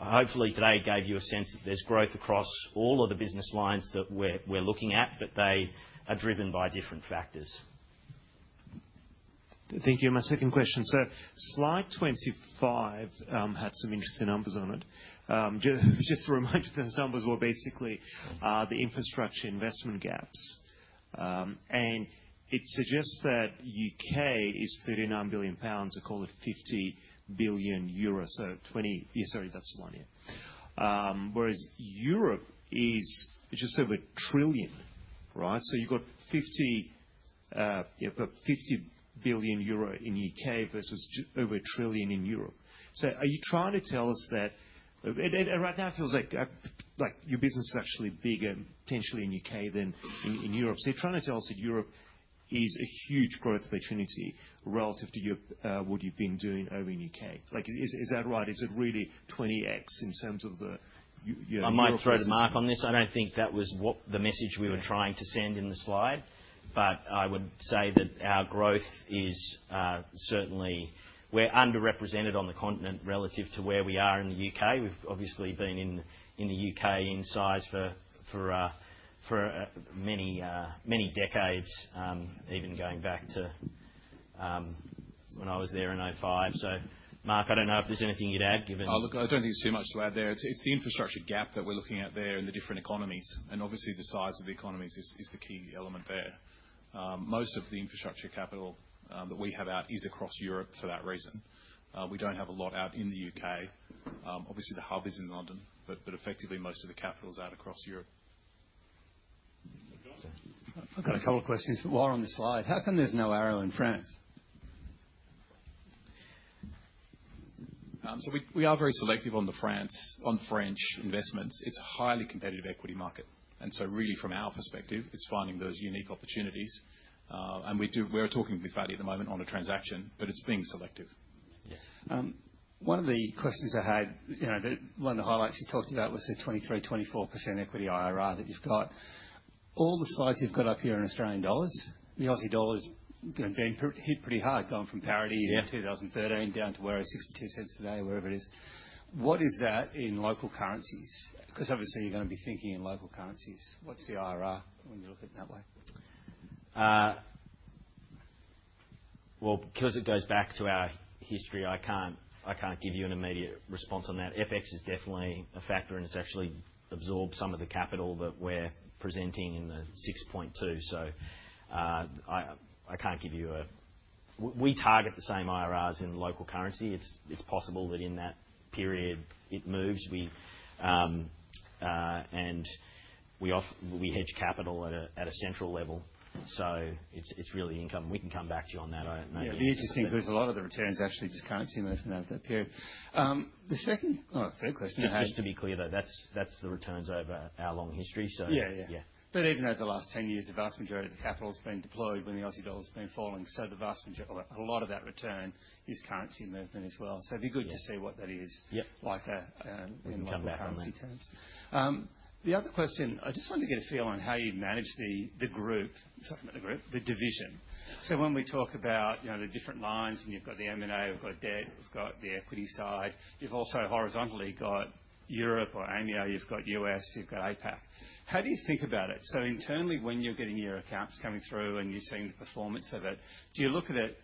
Hopefully, today gave you a sense that there's growth across all of the business lines that we're looking at, but they are driven by different factors. Thank you. My second question. Slide 25 had some interesting numbers on it. Just a reminder, those numbers were basically the infrastructure investment gaps. It suggests that U.K. is 39 billion pounds, I call it 50 billion euros, so 20—sorry, that's one year. Whereas Europe is just over a trillion, right? You have 50 billion euro in U.K. versus over a trillion in Europe. Are you trying to tell us that right now it feels like your business is actually bigger potentially in U.K. than in Europe, so you are trying to tell us that Europe is a huge growth opportunity relative to what you've been doing over in U.K.? Is that right? Is it really 20x in terms of the— I might throw to Mark on this. I do not think that was the message we were trying to send in the slide, but I would say that our growth is certainly—we are underrepresented on the continent relative to where we are in the U.K. We have obviously been in the U.K. in size for many decades, even going back to when I was there in 2005. Mark, I do not know if there is anything you would add, given— Look, I do not think there is too much to add there. It is the infrastructure gap that we are looking at there and the different economies. Obviously, the size of the economies is the key element there. Most of the infrastructure capital that we have out is across Europe for that reason. We do not have a lot out in the U.K. Obviously, the hub is in London, but effectively most of the capital is out across Europe. I've got a couple of questions, but while we're on the slide, how come there's no arrow in France? We are very selective on French investments. It's a highly competitive equity market. From our perspective, it's finding those unique opportunities. We're talking with Fady at the moment on a transaction, but it's being selective. One of the questions I had, one of the highlights he talked about was the 23%-24% equity IRR that you've got. All the slides you've got up here are in AUD, the Aussie dollar has been hit pretty hard going from parity in 2013 down to where it is, $0.62 today, wherever it is. What is that in local currencies? Because obviously, you're going to be thinking in local currencies. What's the IRR when you look at it that way? Because it goes back to our history, I can't give you an immediate response on that. FX is definitely a factor, and it's actually absorbed some of the capital that we're presenting in the 6.2. I can't give you a—we target the same IRRs in local currency. It's possible that in that period it moves. We hedge capital at a central level. It's really income. We can come back to you on that. I don't know. The interesting thing is a lot of the returns actually just currency move from that period. The second or third question I had— just to be clear though, that's the returns over our long history. Yeah. Even over the last 10 years, the vast majority of the capital has been deployed when the Aussie dollar has been falling. A lot of that return is currency movement as well. It would be good to see what that is in long-term currency terms. The other question, I just wanted to get a feel on how you manage the group, the division. When we talk about the different lines and you've got the M&A, we've got debt, we've got the equity side, you've also horizontally got Europe or EMEA, you've got US, you've got APAC. How do you think about it? Internally, when you're getting your accounts coming through and you're seeing the performance of it, do you look at it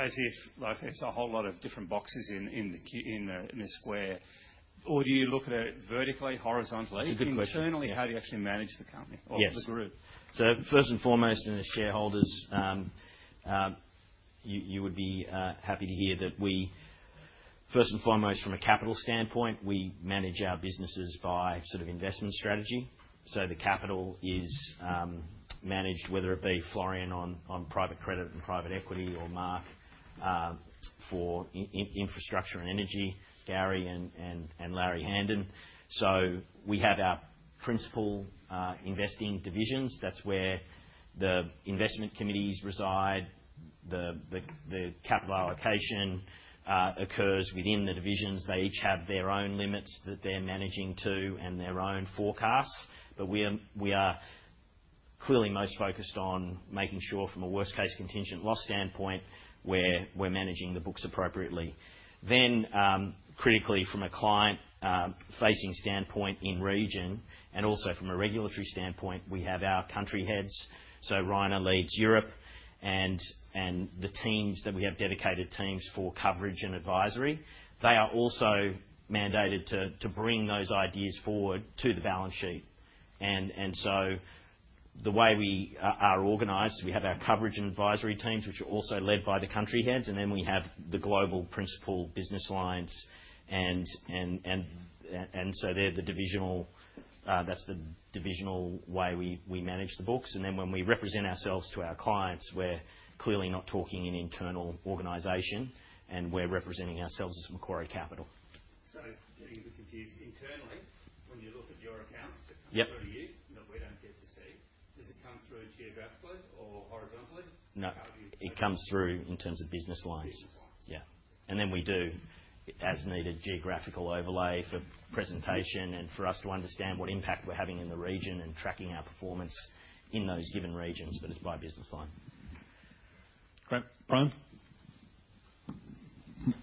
as if it's a whole lot of different boxes in the square, or do you look at it vertically, horizontally? It's a good question. Internally, how do you actually manage the company or the group? Yes. First and foremost, in the shareholders, you would be happy to hear that we, first and foremost, from a capital standpoint, we manage our businesses by sort of investment strategy. The capital is managed, whether it be Florian on private credit and private equity or Mark for infrastructure and energy, Gary and Larry Handen. We have our principal investing divisions. That's where the investment committees reside. The capital allocation occurs within the divisions. They each have their own limits that they're managing to and their own forecasts. We are clearly most focused on making sure from a worst-case contingent loss standpoint we're managing the books appropriately. Critically, from a client-facing standpoint in region and also from a regulatory standpoint, we have our country heads. Rhino leads Europe and the teams that we have dedicated teams for coverage and advisory. They are also mandated to bring those ideas forward to the balance sheet. The way we are organized, we have our coverage and advisory teams, which are also led by the country heads, and then we have the global principal business lines. They are the divisional—that is the divisional way we manage the books. When we represent ourselves to our clients, we are clearly not talking in internal organization, and we are representing ourselves as Macquarie Capital. Getting the confused. Internally, when you look at your accounts, it comes through to you that we do not get to see. Does it come through geographically or horizontally? No. How do you— It comes through in terms of business lines. Business lines. Yeah. Then we do, as needed, geographical overlay for presentation and for us to understand what impact we're having in the region and tracking our performance in those given regions, but it's by business line. Great. Prime?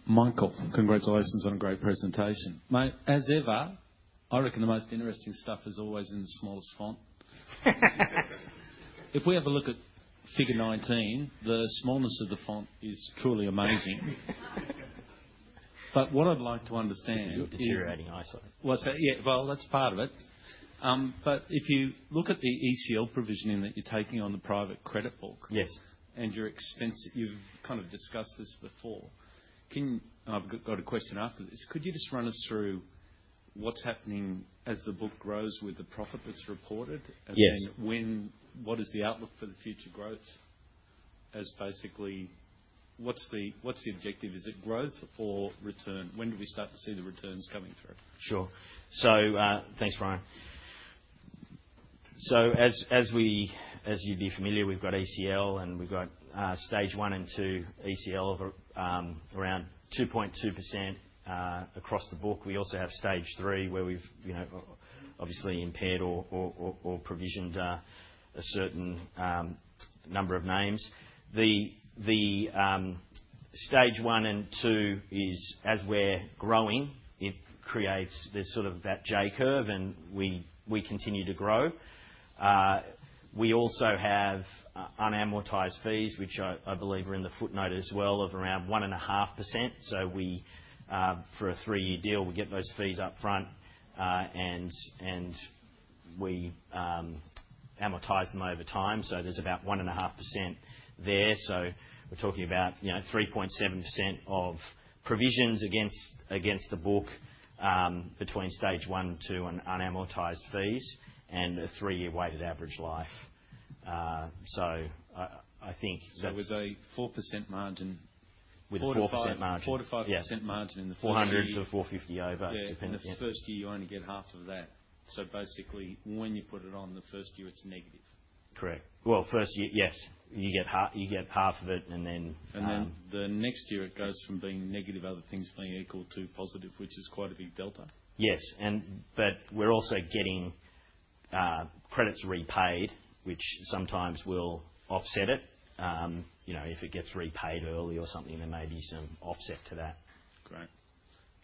Michael, congratulations on a great presentation. Mate, as ever, I reckon the most interesting stuff is always in the smallest font. If we have a look at figure 19, the smallness of the font is truly amazing. What I'd like to understand is— You're deteriorating eyesight. Yeah. That's part of it. If you look at the ECL provisioning that you're taking on the private credit book and you've kind of discussed this before, and I've got a question after this. Could you just run us through what's happening as the book grows with the profit that's reported? What is the outlook for the future growth? What's the objective? Is it growth or return? When do we start to see the returns coming through? Sure. Thanks, Brian. As you'd be familiar, we've got ACL, and we've got stage one and two ECL of around 2.2% across the book. We also have stage three where we've obviously impaired or provisioned a certain number of names. The stage one and two is, as we're growing, it creates—there's sort of that J curve, and we continue to grow. We also have unamortized fees, which I believe are in the footnote as well of around 1.5%. For a three-year deal, we get those fees upfront, and we amortize them over time. There's about 1.5% there. We're talking about 3.7% of provisions against the book between stage one and two and unamortized fees and a three-year weighted average life. I think that's— With a 4% margin? With a 4% margin. 4-5% margin in the first year. 400-450 over, depending. Yeah. And it's first year you only get half of that. Basically, when you put it on, the first year it's negative. Correct. First year, yes. You get half of it, and then the next year it goes from being negative, other things being equal, to positive, which is quite a big delta. Yes. We're also getting credits repaid, which sometimes will offset it. If it gets repaid early or something, there may be some offset to that. Great.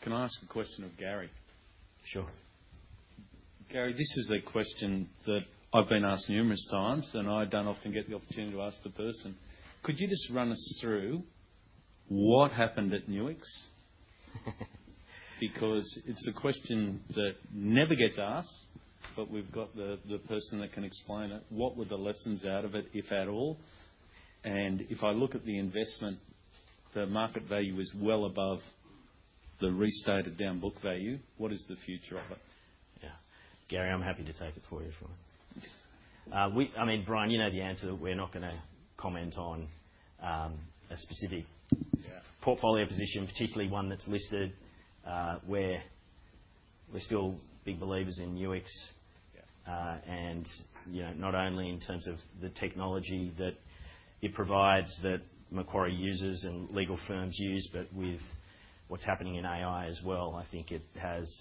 Can I ask a question of Gary? Sure. Gary, this is a question that I've been asked numerous times, and I don't often get the opportunity to ask the person. Could you just run us through what happened at Nuix? Because it's a question that never gets asked, but we've got the person that can explain it. What were the lessons out of it, if at all? If I look at the investment, the market value is well above the restated down book value. What is the future of it? Yeah. Gary, I'm happy to take it for you if you want. I mean, Brian, you know the answer that we're not going to comment on a specific portfolio position, particularly one that's listed. We're still big believers in Nuix, and not only in terms of the technology that it provides that Macquarie uses and legal firms use, but with what's happening in AI as well. I think it has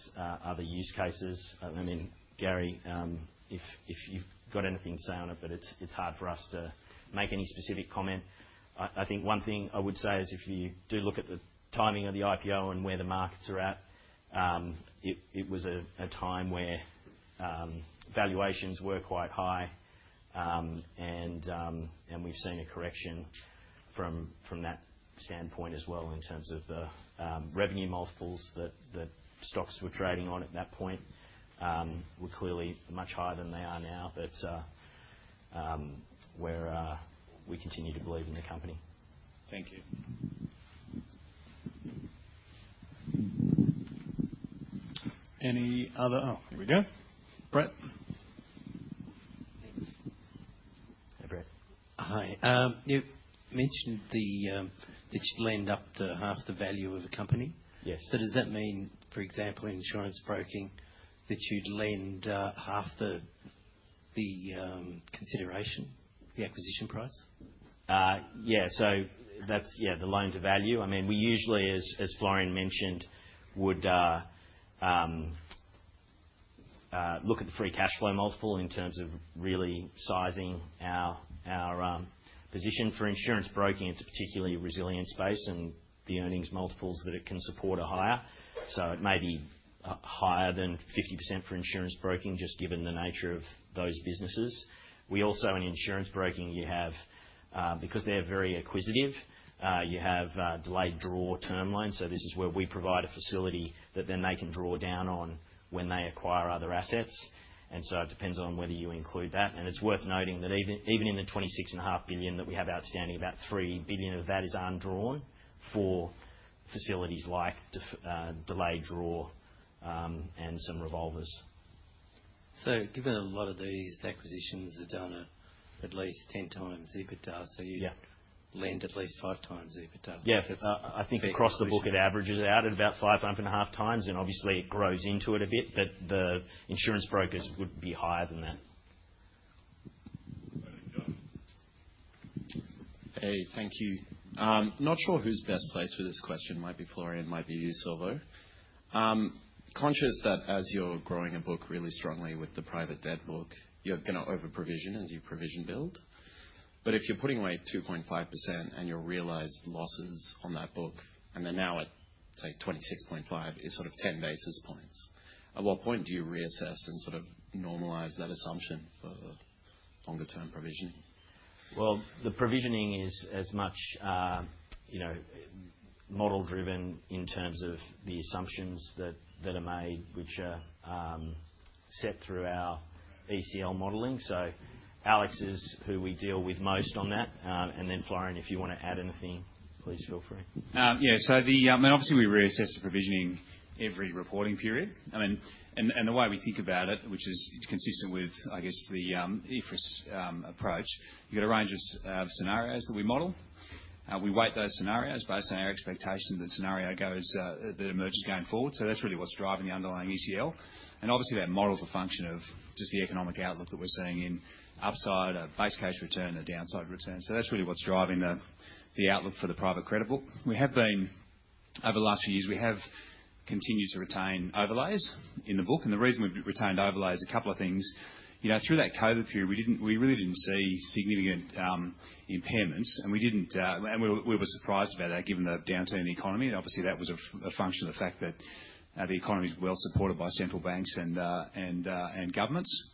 other use cases. I mean, Gary, if you've got anything to say on it, but it's hard for us to make any specific comment. I think one thing I would say is if you do look at the timing of the IPO and where the markets are at, it was a time where valuations were quite high, and we've seen a correction from that standpoint as well in terms of the revenue multiples that stocks were trading on at that point were clearly much higher than they are now. We continue to believe in the company. Thank you. Any other—oh, here we go. Brett. Hey, Brett. Hi. You mentioned that you'd lend up to half the value of a company. Does that mean, for example, in insurance broking, that you'd lend half the consideration, the acquisition price? Yeah. That's, yeah, the loan to value. I mean, we usually, as Florian mentioned, would look at the free cash flow multiple in terms of really sizing our position. For insurance broking, it's a particularly resilient space, and the earnings multiples that it can support are higher. It may be higher than 50% for insurance broking just given the nature of those businesses. We also, in insurance broking, you have—because they're very acquisitive—you have delayed draw term lines. This is where we provide a facility that then they can draw down on when they acquire other assets. It depends on whether you include that. It's worth noting that even in the $26.5 billion that we have outstanding, about $3 billion of that is undrawn for facilities like delayed draw and some revolvers. Given a lot of these acquisitions are done at least 10 times EBITDA, you lend at least five times EBITDA. I think across the book, it averages out at about 5.5 times. Obviously, it grows into it a bit, but the insurance brokers would be higher than that. Hey, thank you. Not sure who's best placed with this question. Might be Florian, might be you, Silvo. Conscious that as you're growing a book really strongly with the private debt book, you're going to over-provision as you provision build. If you're putting away 2.5% and your realized losses on that book, and they're now at, say, 26.5, it's sort of 10 basis points. At what point do you reassess and sort of normalize that assumption for longer-term provisioning? The provisioning is as much model-driven in terms of the assumptions that are made, which are set through our ECL modeling. Alex is who we deal with most on that. Florian, if you want to add anything, please feel free. Yeah. I mean, obviously, we reassess the provisioning every reporting period. The way we think about it, which is consistent with, I guess, the IFRS approach, you've got a range of scenarios that we model. We weight those scenarios based on our expectation that the scenario that emerges going forward. That's really what's driving the underlying ECL. Obviously, that model's a function of just the economic outlook that we're seeing in upside or base case return or downside return. That's really what's driving the outlook for the private credit book. Over the last few years, we have continued to retain overlays in the book. The reason we've retained overlays is a couple of things. Through that COVID period, we really didn't see significant impairments. We were surprised about that given the downturn in the economy. Obviously, that was a function of the fact that the economy's well supported by central banks and governments.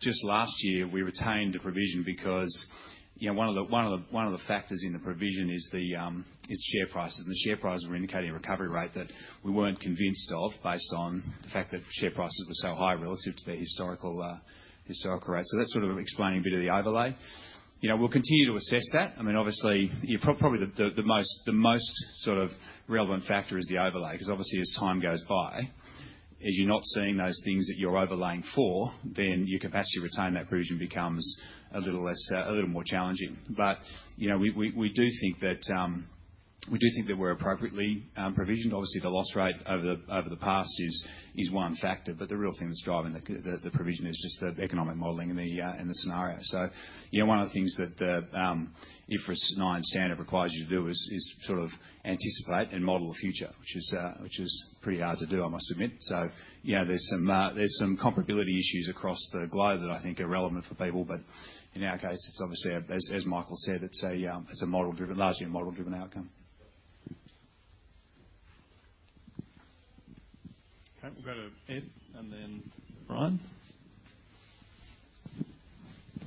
Just last year, we retained the provision because one of the factors in the provision is share prices. The share prices were indicating a recovery rate that we were not convinced of based on the fact that share prices were so high relative to their historical rates. That is sort of explaining a bit of the overlay. We will continue to assess that. I mean, obviously, probably the most sort of relevant factor is the overlay because obviously, as time goes by, as you are not seeing those things that you are overlaying for, then your capacity to retain that provision becomes a little more challenging. We do think that we do think that we are appropriately provisioned. Obviously, the loss rate over the past is one factor, but the real thing that's driving the provision is just the economic modeling and the scenario. One of the things that the IFRS 9 standard requires you to do is sort of anticipate and model the future, which is pretty hard to do, I must admit. There are some comparability issues across the globe that I think are relevant for people. In our case, it's obviously, as Michael said, it's largely a model-driven outcome. Okay. We've got an Ed and then Brian.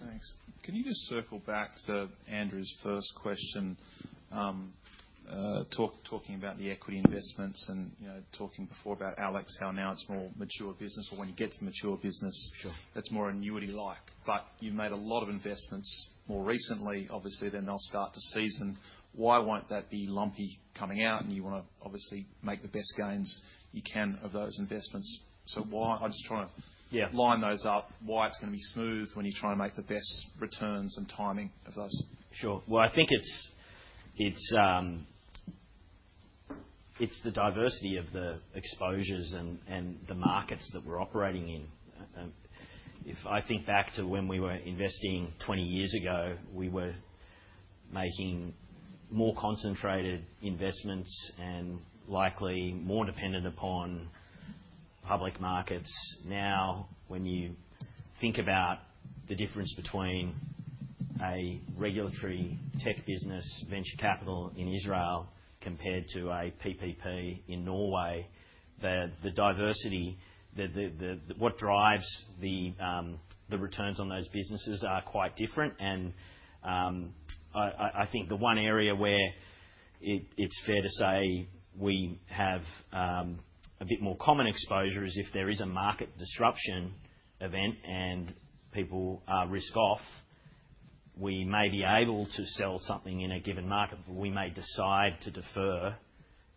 Thanks. Can you just circle back to Andrew's first question talking about the equity investments and talking before about Alex, how now it's more mature business. When you get to mature business, that's more annuity-like. You've made a lot of investments more recently, obviously, then they'll start to season. Why won't that be lumpy coming out? You want to obviously make the best gains you can of those investments. I'm just trying to line those up, why it's going to be smooth when you're trying to make the best returns and timing of those. Sure. I think it's the diversity of the exposures and the markets that we're operating in. If I think back to when we were investing 20 years ago, we were making more concentrated investments and likely more dependent upon public markets. Now, when you think about the difference between a regulatory tech business, venture capital in Israel compared to a PPP in Norway, the diversity, what drives the returns on those businesses are quite different. I think the one area where it's fair to say we have a bit more common exposure is if there is a market disruption event and people are risk-off, we may be able to sell something in a given market. We may decide to defer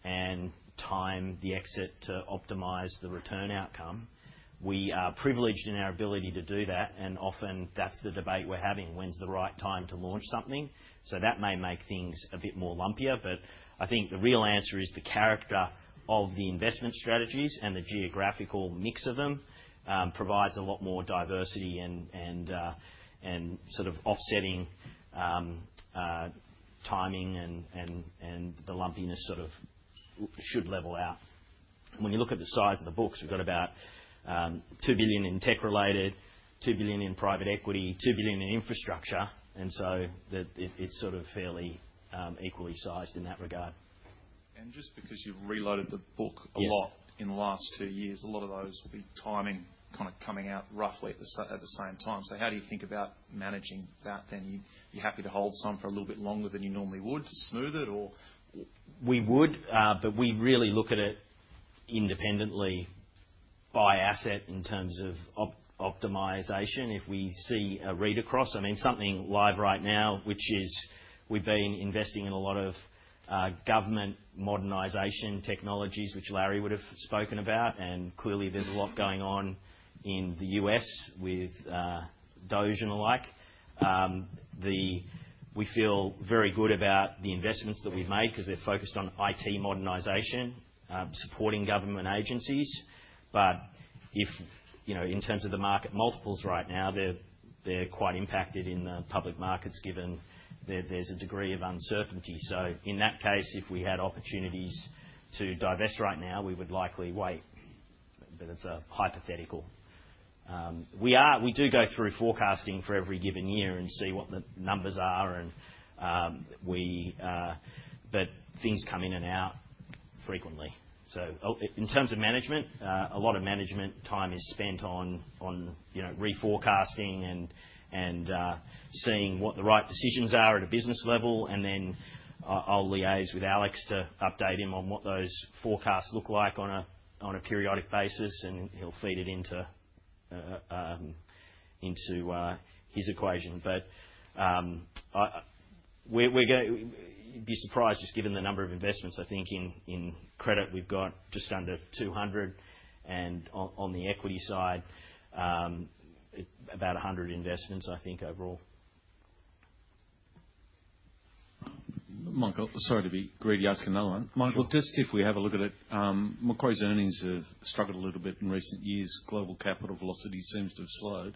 and time the exit to optimize the return outcome. We are privileged in our ability to do that. Often, that's the debate we're having, when's the right time to launch something. That may make things a bit more lumpier. I think the real answer is the character of the investment strategies and the geographical mix of them provides a lot more diversity and sort of offsetting timing and the lumpiness sort of should level out. When you look at the size of the books, we've got about 2 billion in tech-related, 2 billion in private equity, 2 billion in infrastructure. It is sort of fairly equally sized in that regard. Just because you have reloaded the book a lot in the last two years, a lot of those big timing kind of coming out roughly at the same time. How do you think about managing that then? You are happy to hold some for a little bit longer than you normally would to smooth it, or? We would, but we really look at it independently by asset in terms of optimization if we see a read across. I mean, something live right now, which is we have been investing in a lot of government modernization technologies, which Larry would have spoken about. Clearly, there is a lot going on in the US with DOGE and the like. We feel very good about the investments that we have made because they are focused on IT modernization, supporting government agencies. In terms of the market multiples right now, they're quite impacted in the public markets given there's a degree of uncertainty. If we had opportunities to divest right now, we would likely wait. That's a hypothetical. We do go through forecasting for every given year and see what the numbers are. Things come in and out frequently. In terms of management, a lot of management time is spent on reforecasting and seeing what the right decisions are at a business level. I'll liaise with Alex to update him on what those forecasts look like on a periodic basis, and he'll feed it into his equation. You'd be surprised just given the number of investments. I think in credit, we've got just under 200. On the equity side, about 100 investments, I think, overall. Sorry to be greedy asking another one. Michael, just if we have a look at it, Macquarie's earnings have struggled a little bit in recent years. Global capital velocity seems to have slowed.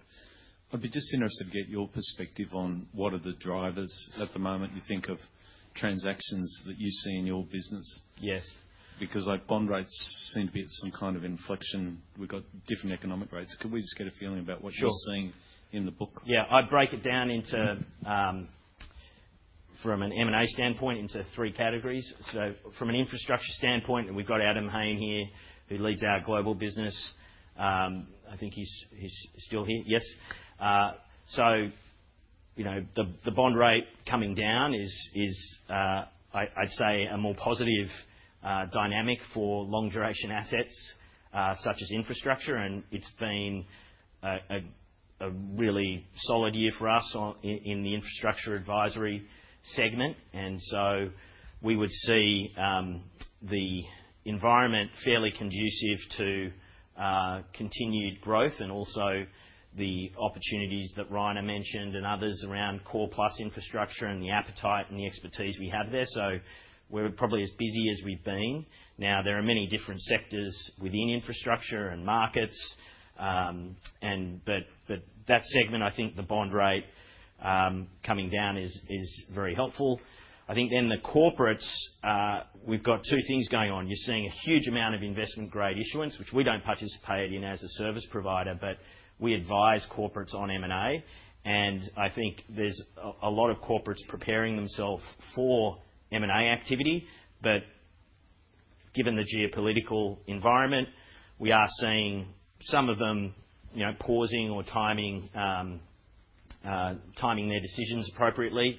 I'd be just interested to get your perspective on what are the drivers at the moment you think of transactions that you see in your business. Because bond rates seem to be at some kind of inflection. We've got different economic rates. Could we just get a feeling about what you're seeing in the book? Yeah. I break it down from an M&A standpoint into three categories. From an infrastructure standpoint, we've got Adam Hayne here who leads our global business. I think he's still here. Yes. The bond rate coming down is, I'd say, a more positive dynamic for long-duration assets such as infrastructure. It has been a really solid year for us in the infrastructure advisory segment. We would see the environment as fairly conducive to continued growth and also the opportunities that Ryan mentioned and others around core plus infrastructure and the appetite and the expertise we have there. We are probably as busy as we have been. There are many different sectors within infrastructure and markets. That segment, I think the bond rate coming down is very helpful. I think the corporates, we have got two things going on. You are seeing a huge amount of investment-grade issuance, which we do not participate in as a service provider, but we advise corporates on M&A. I think there are a lot of corporates preparing themselves for M&A activity. Given the geopolitical environment, we are seeing some of them pausing or timing their decisions appropriately.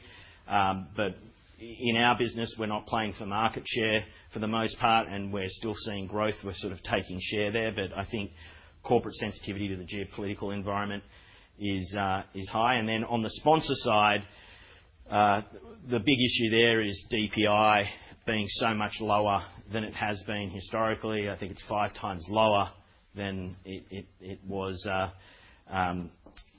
In our business, we're not playing for market share for the most part, and we're still seeing growth. We're sort of taking share there. I think corporate sensitivity to the geopolitical environment is high. On the sponsor side, the big issue there is DPI being so much lower than it has been historically. I think it's five times lower than it was in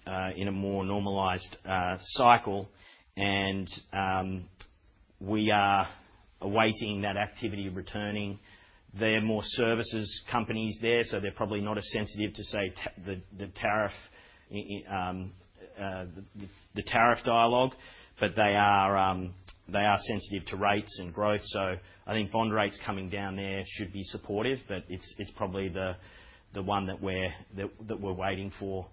a more normalized cycle. We are awaiting that activity returning. There are more services companies there, so they're probably not as sensitive to, say, the tariff dialogue. They are sensitive to rates and growth. I think bond rates coming down there should be supportive, but it's probably the one that we're waiting for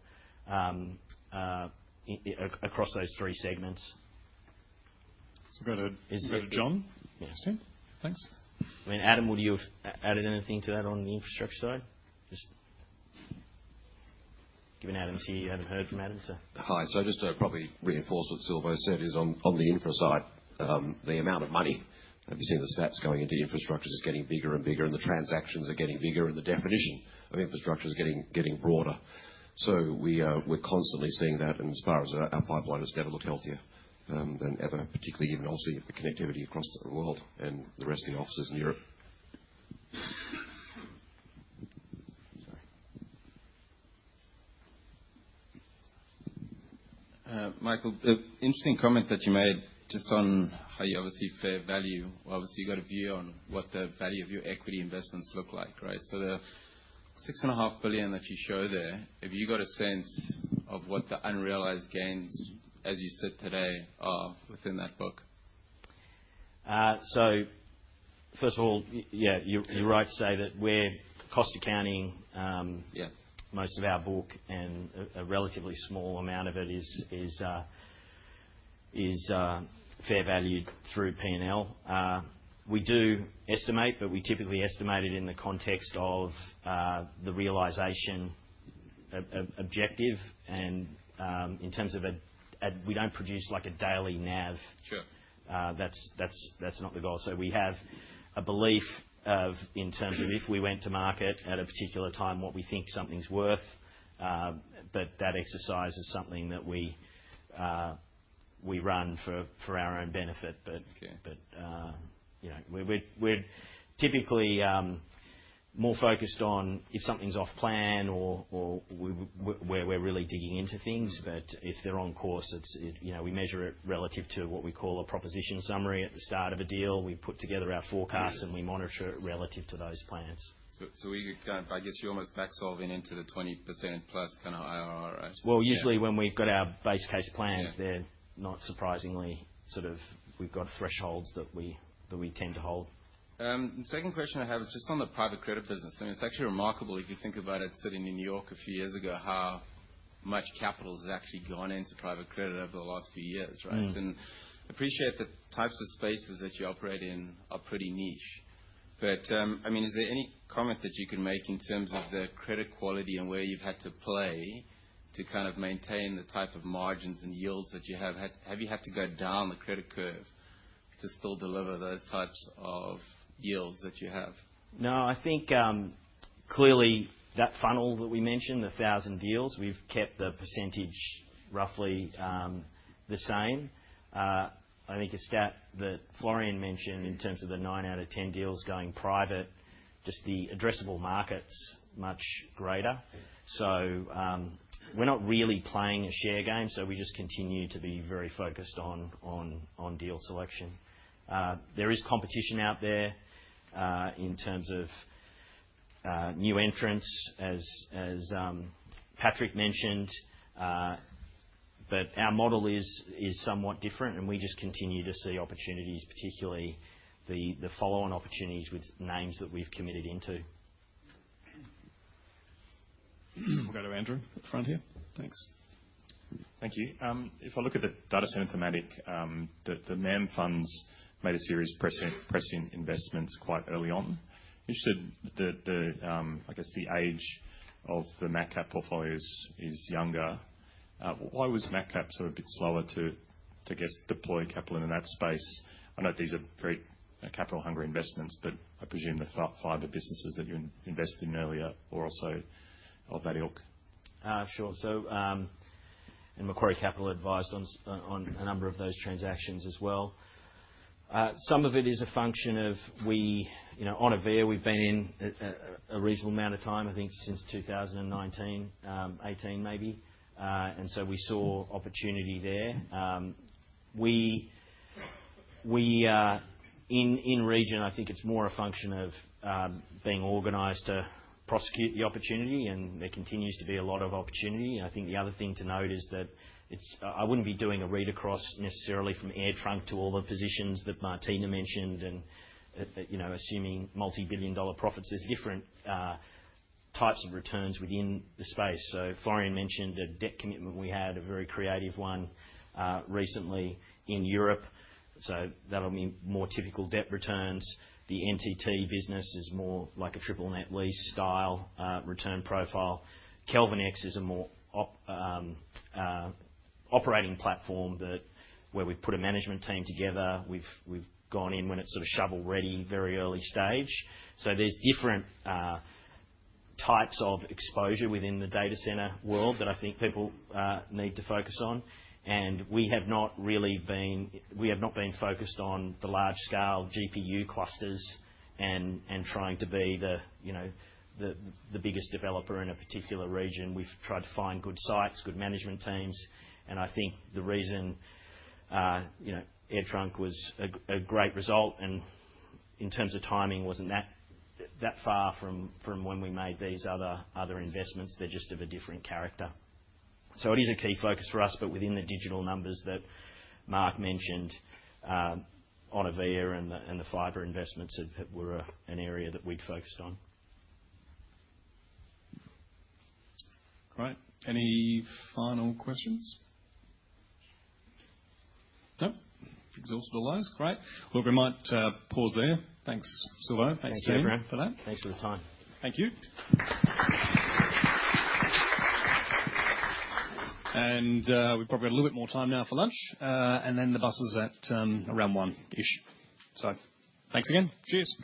across those three segments. Go to John. Yes. Thanks. I mean, Adam, would you have added anything to that on the infrastructure side? Just giving Adam's here. You haven't heard from Adam too. Hi. Just to probably reinforce what Silvo said is on the infra side, the amount of money, have you seen the stats going into infrastructure is getting bigger and bigger, and the transactions are getting bigger, and the definition of infrastructure is getting broader. We're constantly seeing that. As far as our pipeline, it has never looked healthier than ever, particularly given obviously the connectivity across the world and the resting offices in Europe. Michael, the interesting comment that you made just on how you obviously fair value, obviously you've got a view on what the value of your equity investments look like, right? The 6.5 billion that you show there, have you got a sense of what the unrealized gains, as you said today, are within that book? First of all, yeah, you're right to say that we're cost accounting most of our book, and a relatively small amount of it is fair valued through P&L. We do estimate, but we typically estimate it in the context of the realization objective. In terms of a we don't produce like a daily nav. That's not the goal. We have a belief in terms of if we went to market at a particular time, what we think something's worth. That exercise is something that we run for our own benefit. We're typically more focused on if something's off plan or where we're really digging into things. If they're on course, we measure it relative to what we call a proposition summary at the start of a deal. We put together our forecasts, and we monitor it relative to those plans. I guess you're almost back-solving into the 20% plus kind of IRR, right? Usually when we've got our base case plans, they're not surprisingly sort of we've got thresholds that we tend to hold. The second question I have is just on the private credit business. I mean, it's actually remarkable if you think about it sitting in New York a few years ago how much capital has actually gone into private credit over the last few years, right? I appreciate the types of spaces that you operate in are pretty niche. I mean, is there any comment that you could make in terms of the credit quality and where you've had to play to kind of maintain the type of margins and yields that you have? Have you had to go down the credit curve to still deliver those types of yields that you have? No, I think clearly that funnel that we mentioned, the 1,000 deals, we've kept the percentage roughly the same. I think a stat that Florian mentioned in terms of the 9 out of 10 deals going private, just the addressable market is much greater. So we're not really playing a share game, we just continue to be very focused on deal selection. There is competition out there in terms of new entrants, as Patrick mentioned. Our model is somewhat different, and we just continue to see opportunities, particularly the follow-on opportunities with names that we've committed into. We'll go to Andrew at the front here. Thanks. Thank you. If I look at the data center thematic, the MAM funds made a series of pressing investments quite early on. Interested, I guess, the age of the MATCAP portfolios is younger. Why was MATCAP sort of a bit slower to, I guess, deploy capital in that space? I know these are very capital-hungry investments, but I presume the fiber businesses that you invested in earlier are also of that ilk. Sure. In Macquarie Capital advised on a number of those transactions as well. Some of it is a function of we on Onivia we've been in a reasonable amount of time, I think since 2019, 2018 maybe. We saw opportunity there. In region, I think it's more a function of being organized to prosecute the opportunity, and there continues to be a lot of opportunity. I think the other thing to note is that I wouldn't be doing a read across necessarily from AirTrunk to all the positions that Martina mentioned and assuming multi-billion dollar profits. There's different types of returns within the space. Florian mentioned a debt commitment we had, a very creative one recently in Europe. That will mean more typical debt returns. The NTT business is more like a triple net lease style return profile. KelvinX is a more operating platform where we have put a management team together. We have gone in when it is sort of shovel-ready, very early stage. There are different types of exposure within the data center world that I think people need to focus on. We have not really been focused on the large-scale GPU clusters and trying to be the biggest developer in a particular region. We have tried to find good sites, good management teams. I think the reason AirTrunk was a great result and in terms of timing was not that far from when we made these other investments. They are just of a different character. It is a key focus for us, but within the digital numbers that Mark mentioned, Onivia and the fiber investments were an area that we had focused on. Great. Any final questions? No? Exhausted allies. Great. We might pause there. Thanks, Silvo. Thanks to you for that. Thanks for the time. Thank you. We have probably got a little bit more time now for lunch, and then the bus is at around 1:00-ish. Thanks again. Cheers.